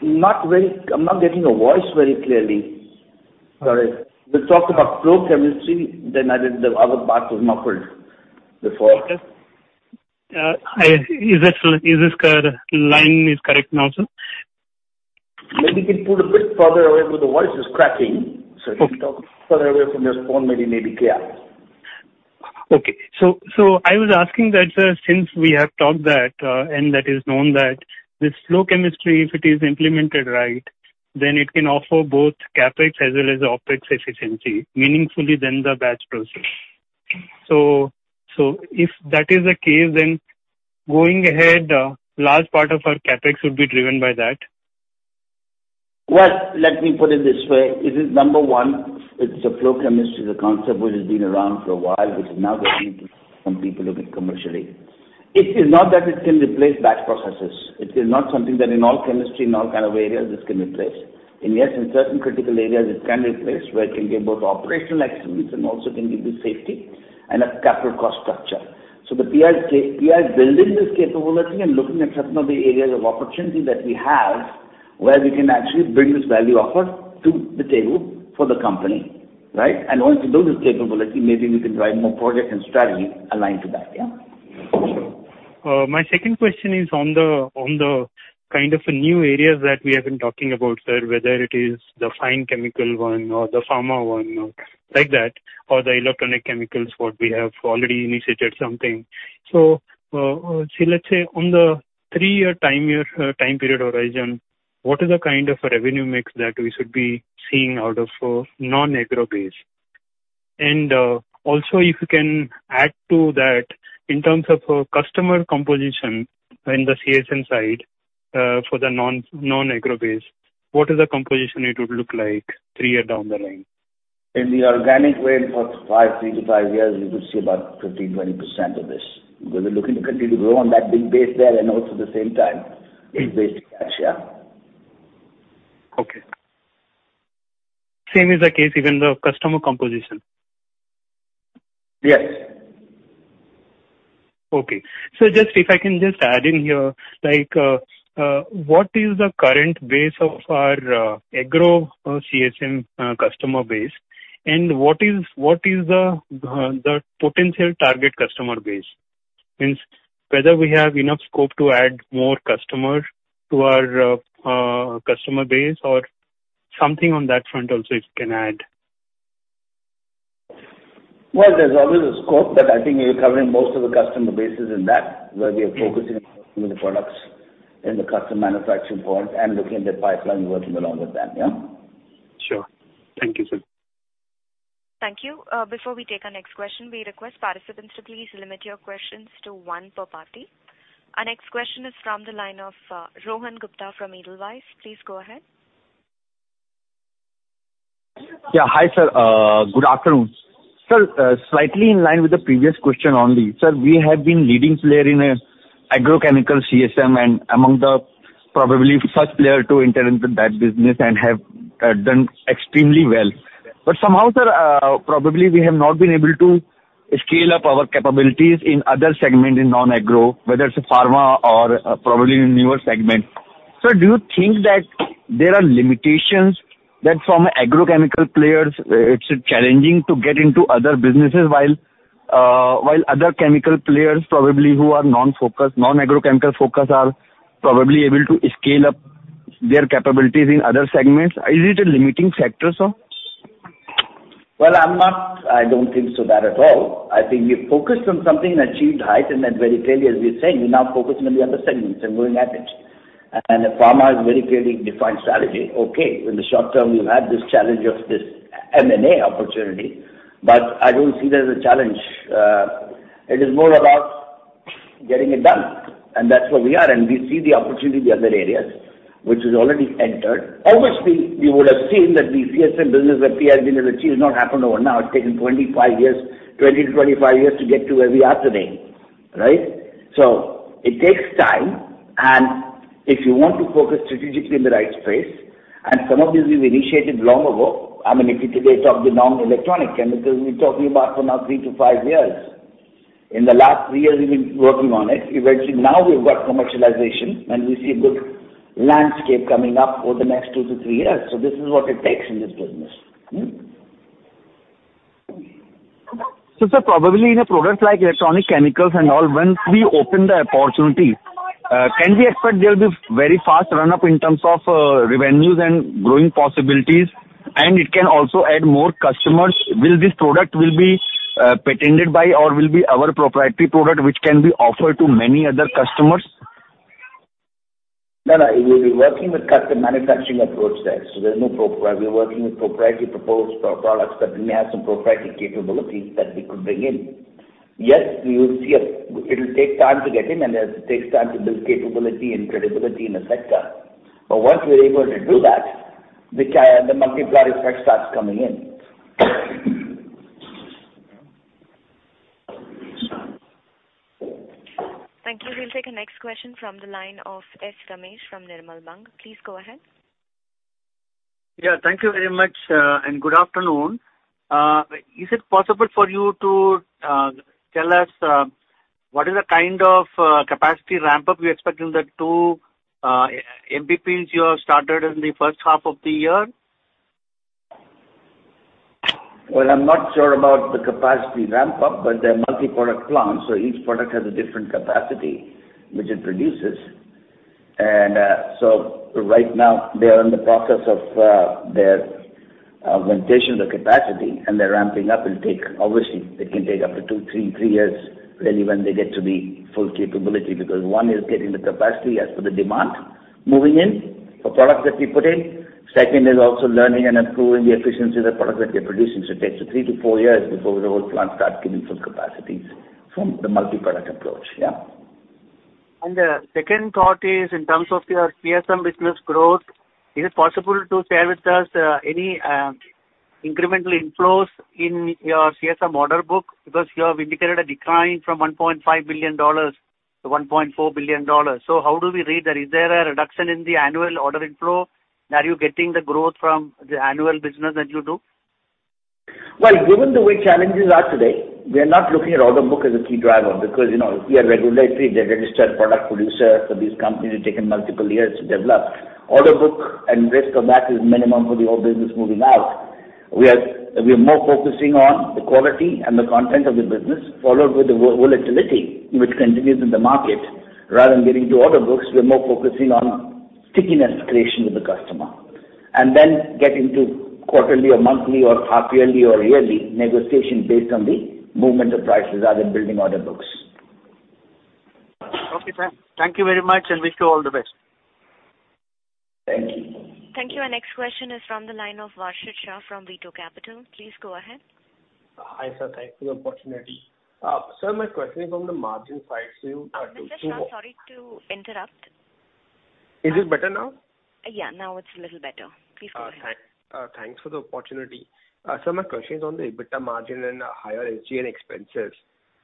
I'm not getting your voice very clearly. Sorry. You talked about flow chemistry. The other part was muffled before. Okay. Hi. Is this line correct now, sir? Maybe you can put a bit further away because the voice is cracking. Okay. If you talk further away from your phone, maybe it may be clear. Okay. I was asking that, sir, since we have talked that, and that is known that this flow chemistry, if it is implemented right, then it can offer both CapEx as well as OpEx efficiency meaningfully than the batch process. If that is the case, then going ahead, large part of our CapEx would be driven by that. Well, let me put it this way. It is number one. It's a flow chemistry, the concept which has been around for a while, which is now getting some people looking commercially. It is not that it can replace batch processes. It is not something that in all chemistry, in all kind of areas this can replace. Yes, in certain critical areas it can replace, where it can give both operational excellence and also can give you safety and a capital cost structure. PI's building this capability and looking at certain of the areas of opportunity that we have, where we can actually bring this value offer to the table for the company, right? Once you build this capability, maybe we can drive more project and strategy aligned to that. Yeah. My second question is on the kind of new areas that we have been talking about, sir, whether it is the fine chemical one or the pharma one or like that, or the electronic chemicals, what we have already initiated something. Let's say on the three-year time period horizon, what is the kind of revenue mix that we should be seeing out of non-agro base? Also if you can add to that in terms of customer composition in the CSM side, for the non-agro base, what is the composition it would look like three years down the line? In the organic way for three to five years, you could see about 15%-20% of this. Because we're looking to continue to grow on that big base there and also at the same time, it's best to catch. Yeah. Okay. Same is the case even the customer composition? Yes. Okay. Just if I can add in here, like, what is the current base of our agro CSM customer base? And what is the potential target customer base? Means whether we have enough scope to add more customers to our customer base or something on that front also if you can add. Well, there's always a scope, but I think you're covering most of the customer bases in that, where we are focusing on the products in the custom manufacturing point and looking at the pipeline working along with them. Yeah. Sure. Thank you, sir. Thank you. Before we take our next question, we request participants to please limit your questions to one per party. Our next question is from the line of Rohan Gupta from Edelweiss. Please go ahead. Yeah. Hi, sir. Good afternoon. Sir, slightly in line with the previous question only. Sir, we have been leading player in agrochemical CSM and among the probably first player to enter into that business and have done extremely well. Somehow, sir, probably we have not been able to scale up our capabilities in other segment in non-agro, whether it's pharma or probably in newer segment. Sir, do you think that there are limitations that from agrochemical players it's challenging to get into other businesses while other chemical players probably who are non-focused, non-agrochem focused are probably able to scale up their capabilities in other segments? Is it a limiting factor, sir? Well, I don't think so that at all. I think we've focused on something and achieved height in that very clearly. As we said, we're now focusing on the other segments and going at it. Pharma is very clearly defined strategy. Okay. In the short term, we've had this challenge of this M&A opportunity, but I don't see that as a challenge. It is more about. Getting it done. That's where we are. We see the opportunity in the other areas which is already entered. Obviously, you would have seen that the CSM business that we have been able to achieve has not happened overnight. It's taken 25 years, 20-25 years to get to where we are today, right? It takes time, and if you want to focus strategically in the right space, and some of these we've initiated long ago. I mean, if we talk today about the non-electronic chemicals, we're talking about for now 3-5 years. In the last 3 years, we've been working on it. Eventually, now we've got commercialization, and we see a good landscape coming up over the next 2-3 years. This is what it takes in this business. Sir, probably in a product like electronic chemicals and all, once we open the opportunity, can we expect there'll be very fast run-up in terms of revenues and growing possibilities, and it can also add more customers? Will this product be patented or will be our proprietary product which can be offered to many other customers? No, no. We'll be working with custom manufacturing approach there. We're working with proprietary products that we may have some proprietary capabilities that we could bring in. Yes, we will see. It will take time to get in, and it takes time to build capability and credibility in a sector. Once we're able to do that, the multiplier effect starts coming in. Thank you. We'll take the next question from the line of S. Ramesh from Nirmal Bang. Please go ahead. Yeah. Thank you very much, and good afternoon. Is it possible for you to tell us what is the kind of capacity ramp-up we expect in the two MPPs you have started in the first half of the year? Well, I'm not sure about the capacity ramp-up, but they're multi-product plants, so each product has a different capacity which it produces. Right now they are in the process of their augmentation of the capacity, and their ramping up will take, obviously. It can take up to two to three years really when they get to the full capability. Because one is getting the capacity as per the demand moving in for products that we put in. Second is also learning and improving the efficiency of the products that they're producing. It takes 3-4 years before the whole plant starts giving full capacities from the multi-product approach. Yeah. The second thought is in terms of your CSM business growth. Is it possible to share with us any incremental inflows in your CSM order book? Because you have indicated a decline from $1.5 billion to $1.4 billion. How do we read that? Is there a reduction in the annual order inflow? Are you getting the growth from the annual business that you do? Well, given the way challenges are today, we are not looking at order book as a key driver because, you know, we are regulated, the registered product producer for these companies. It's taken multiple years to develop. Order book and risk of that is minimum for the old business moving out. We are more focusing on the quality and the content of the business, followed with the volatility which continues in the market. Rather than getting to order books, we are more focusing on stickiness creation with the customer, and then get into quarterly or monthly or half-yearly or yearly negotiation based on the movement of prices rather than building order books. Okay, sir. Thank you very much, and wish you all the best. Thank you. Thank you. Our next question is from the line of Varshit Shah from Veto Capital. Please go ahead. Hi, sir. Thanks for the opportunity. Sir, my question is on the margin side. Mr. Shah, sorry to interrupt. Is this better now? Yeah. Now it's a little better. Please go ahead. Thanks for the opportunity. My question is on the EBITDA margin and higher SG&A expenses.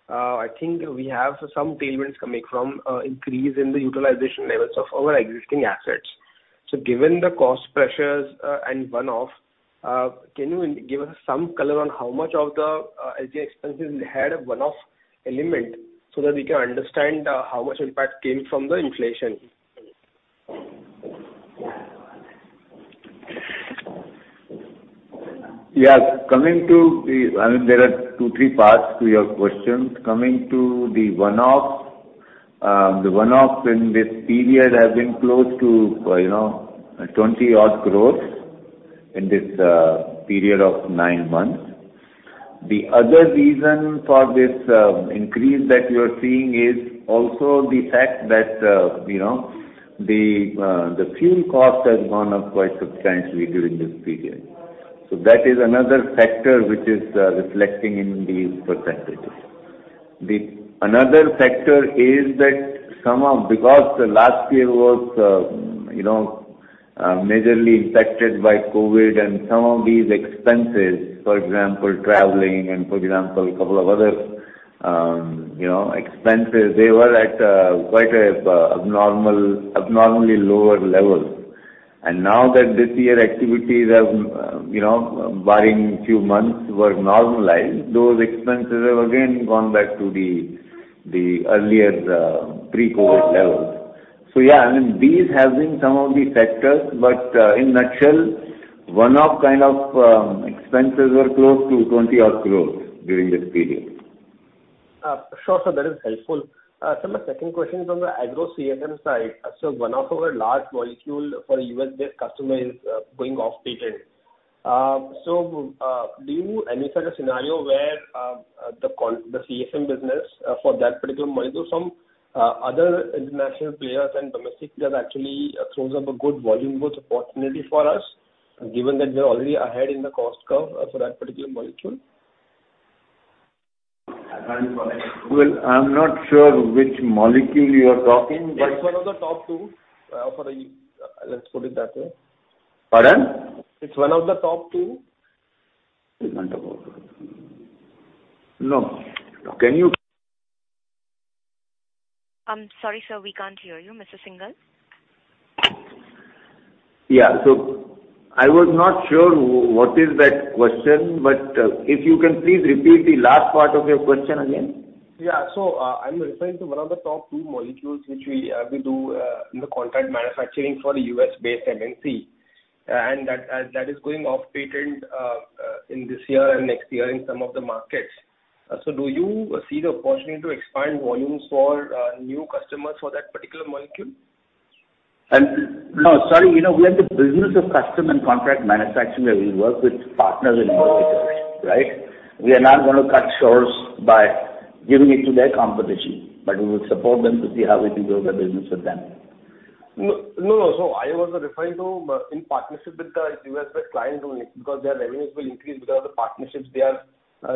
I think we have some tailwinds coming from increase in the utilization levels of our existing assets. Given the cost pressures and one-off, can you give us some color on how much of the SG&A expenses had a one-off element so that we can understand how much impact came from the inflation? Coming to the, I mean, there are two, three parts to your questions. Coming to the one-off in this period has been close to, you know, 20-odd crore in this period of nine months. The other reason for this increase that you are seeing is also the fact that, you know, the fuel cost has gone up quite substantially during this period. That is another factor which is reflecting in these percentages. Another factor is that because the last year was, you know, majorly impacted by COVID and some of these expenses, for example, traveling and, for example, a couple of other, you know, expenses, they were at quite abnormally lower level. Now that this year's activities have, barring a few months, been normalized, those expenses have again gone back to the earlier pre-COVID levels. Yeah, I mean, these have been some of the factors, but in a nutshell, one-off kind of expenses were close to 20-odd crores during this period. Sure, sir. That is helpful. My second question is on the agro CSM side. One of our large molecule for a U.S.-based customer is going off patent. Do you envisage a scenario where the CSM business for that particular molecule from other international players and domestic players actually throws up a good volume growth opportunity for us? Given that they're already ahead in the cost curve for that particular molecule. Well, I'm not sure which molecule you are talking. It's one of the top two. Let's put it that way. Pardon? It's one of the top two. We've not talked about that. No. Can you- Sorry, sir. We can't hear you, Mr. Singhal. Yeah. I was not sure what is that question, but if you can please repeat the last part of your question again. Yeah. I'm referring to one of the top two molecules which we do in the contract manufacturing for a U.S.-based MNC, and that is going off patent in this year and next year in some of the markets. Do you see the opportunity to expand volumes for new customers for that particular molecule? No, sorry. You know, we are in the business of custom and contract manufacturing where we work with partners in markets, right? We are not gonna cut throats by giving it to their competition, but we will support them to see how we can build the business with them. No, no, I was referring to, in partnership with the U.S.-based client only because their revenues will increase because of the partnerships they are,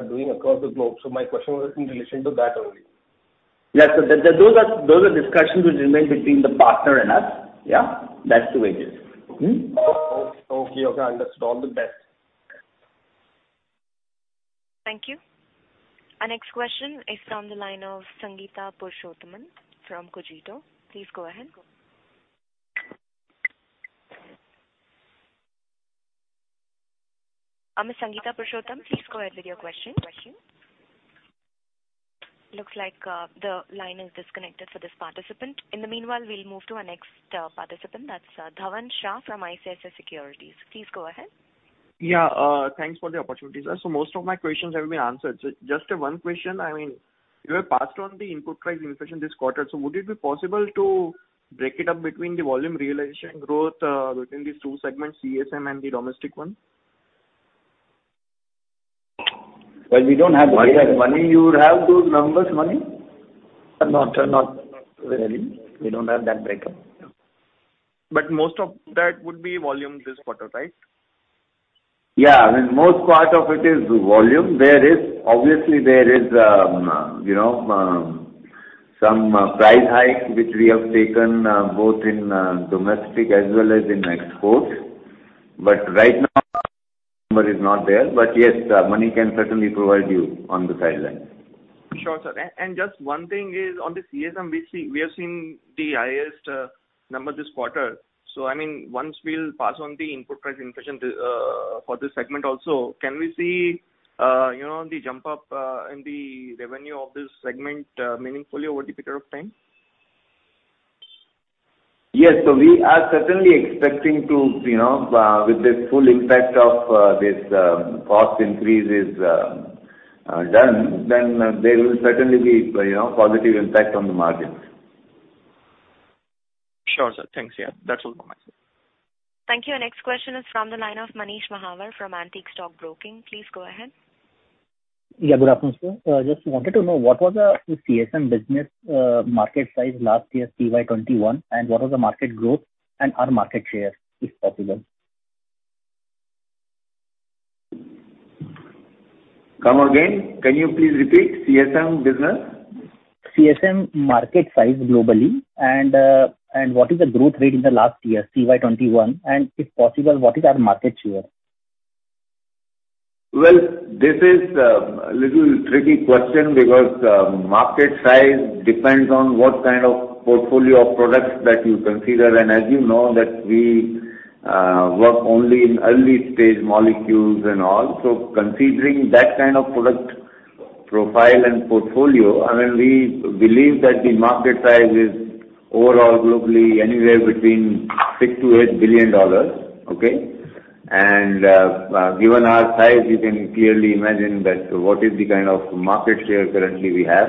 doing across the globe. My question was in relation to that only. Those are discussions which remain between the partner and us. Yeah. That's the way it is. Okay. Understood. All the best. Thank you. Our next question is from the line of Sangeeta Purushottam from Cogito. Please go ahead. Miss Sangeeta Purushottam, please go ahead with your question. Looks like the line is disconnected for this participant. In the meanwhile, we'll move to our next participant, that's Dhaval Shah from ICICI Securities. Please go ahead. Yeah. Thanks for the opportunity, sir. Most of my questions have been answered. Just one question. I mean, you have passed on the input price inflation this quarter, so would it be possible to break it up between the volume realization growth within these two segments, CSM and the domestic one? Well, we don't have that. Mani, you would have those numbers, Mani? Not really. We don't have that breakup. Most of that would be volume this quarter, right? Yeah. I mean, most part of it is volume. Obviously there is, you know, some price hike which we have taken, both in Domestic as well as in Export. Right now number is not there. Yes, Mani can certainly provide you on the sidelines. Sure, sir. Just one thing is on the CSM. We have seen the highest number this quarter. I mean, once we'll pass on the input price inflation for this segment also, can we see you know, the jump up in the revenue of this segment meaningfully over the period of time? Yes, we are certainly expecting to, you know, with the full impact of this cost increase is done, then there will certainly be, you know, positive impact on the margins. Sure, sir. Thanks. Yeah. That's all from my side. Thank you. Our next question is from the line of Manish Mahawar from Antique Stock Broking. Please go ahead. Yeah. Good afternoon, sir. Just wanted to know what was the CSM business market size last year, FY 2021, and what was the market growth and our market share, if possible. Come again. Can you please repeat? CSM business. CSM market size globally, and what is the growth rate in the last year, CY 2021, and if possible, what is our market share? Well, this is a little tricky question because market size depends on what kind of portfolio of products that you consider. As you know that we work only in early stage molecules and all. Considering that kind of product profile and portfolio, I mean, we believe that the market size is overall globally anywhere between $6 billion-$8 billion. Okay? Given our size, you can clearly imagine that what is the kind of market share currently we have.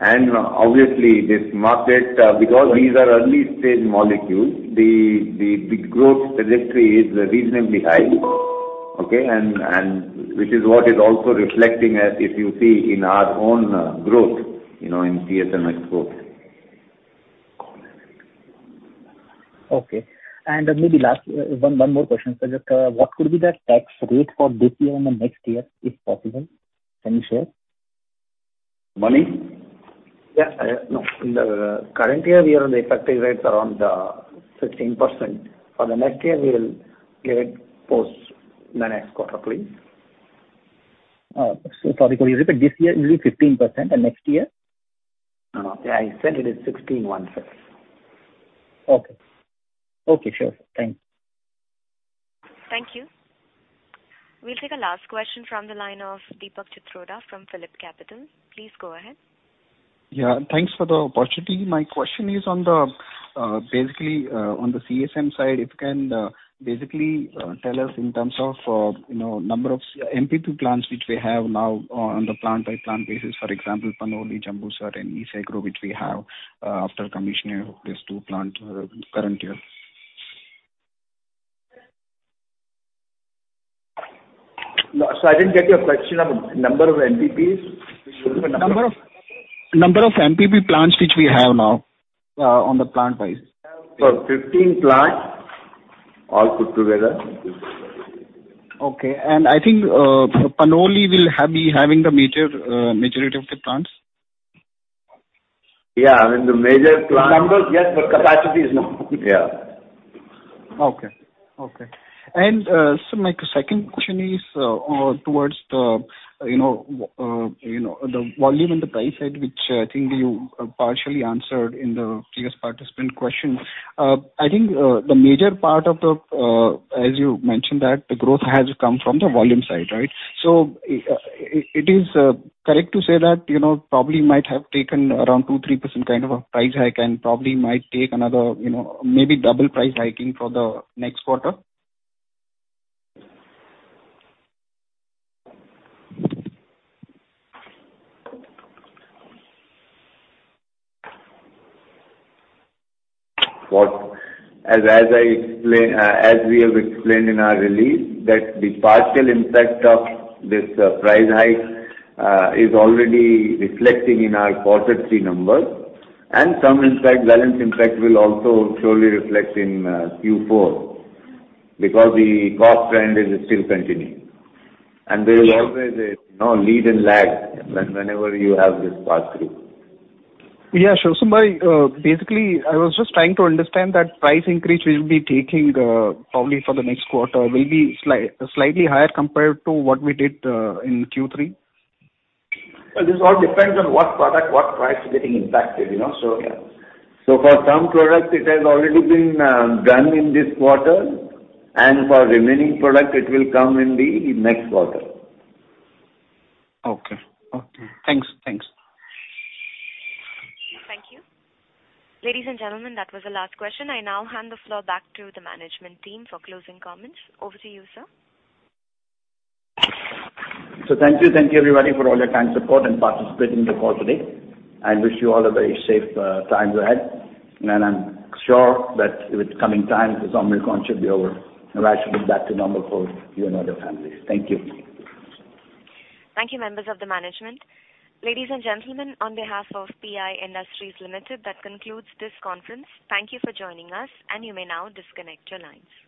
Obviously this market, because these are early stage molecules, the growth trajectory is reasonably high. Okay? Which is what is also reflecting as if you see in our own growth, you know, in CSM export. Okay. Maybe last one more question, sir. Just what could be the tax rate for this year and the next year, if possible? Can you share? Mani? Yeah. No. In the current year, we are on the effective rates around 16%. For the next year, we'll give it post the next quarter, please. Sorry. Could you repeat? This year it will be 15%, and next year? I said it is 16-1, sir. Okay. Okay. Sure, sir. Thank you. Thank you. We'll take a last question from the line of Deepak Chitroda from PhillipCapital. Please go ahead. Yeah. Thanks for the opportunity. My question is on the CSM side, if you can basically tell us in terms of, you know, number of MPP plants which we have now on the plant-by-plant basis, for example, Panoli, Jambusar, and Isagro which we have after commissioning these two plant current year. No, I didn't get your question of number of MPPs. Number of MPP plants which we have now on the plant base. 15 plants all put together. Okay. I think Panoli will be having the majority of the plants. Yeah, I mean, the major plants. In numbers, yes, but capacity is no. Yeah. My second question is on towards the, you know, you know, the volume and the price side, which I think you partially answered in the previous participant question. I think the major part of the, as you mentioned, that the growth has come from the volume side, right? It is correct to say that, you know, probably might have taken around 2%-3% kind of a price hike and probably might take another, you know, maybe double price hiking for the next quarter? Well, as we have explained in our release, that the partial impact of this price hike is already reflecting in our quarter three numbers. Some impact, balance impact will also surely reflect in Q4 because the cost trend is still continuing. There is always a, you know, lead and lag whenever you have this pass through. Yeah, Rajnish Sarna, basically, I was just trying to understand that price increase we will be taking, probably for the next quarter will be slightly higher compared to what we did in Q3. Well, this all depends on what product, what price is getting impacted, you know. For some products it has already been done in this quarter, and for remaining product it will come in the next quarter. Okay. Thanks. Thank you. Ladies and gentlemen, that was the last question. I now hand the floor back to the management team for closing comments. Over to you, sir. Thank you. Thank you everybody for all your kind support and participating in the call today. I wish you all a very safe time ahead. I'm sure that with coming times, this Omicron should be over and life should be back to normal for you and all your families. Thank you. Thank you, members of the management. Ladies and gentlemen, on behalf of PI Industries Limited, that concludes this conference. Thank you for joining us, and you may now disconnect your lines.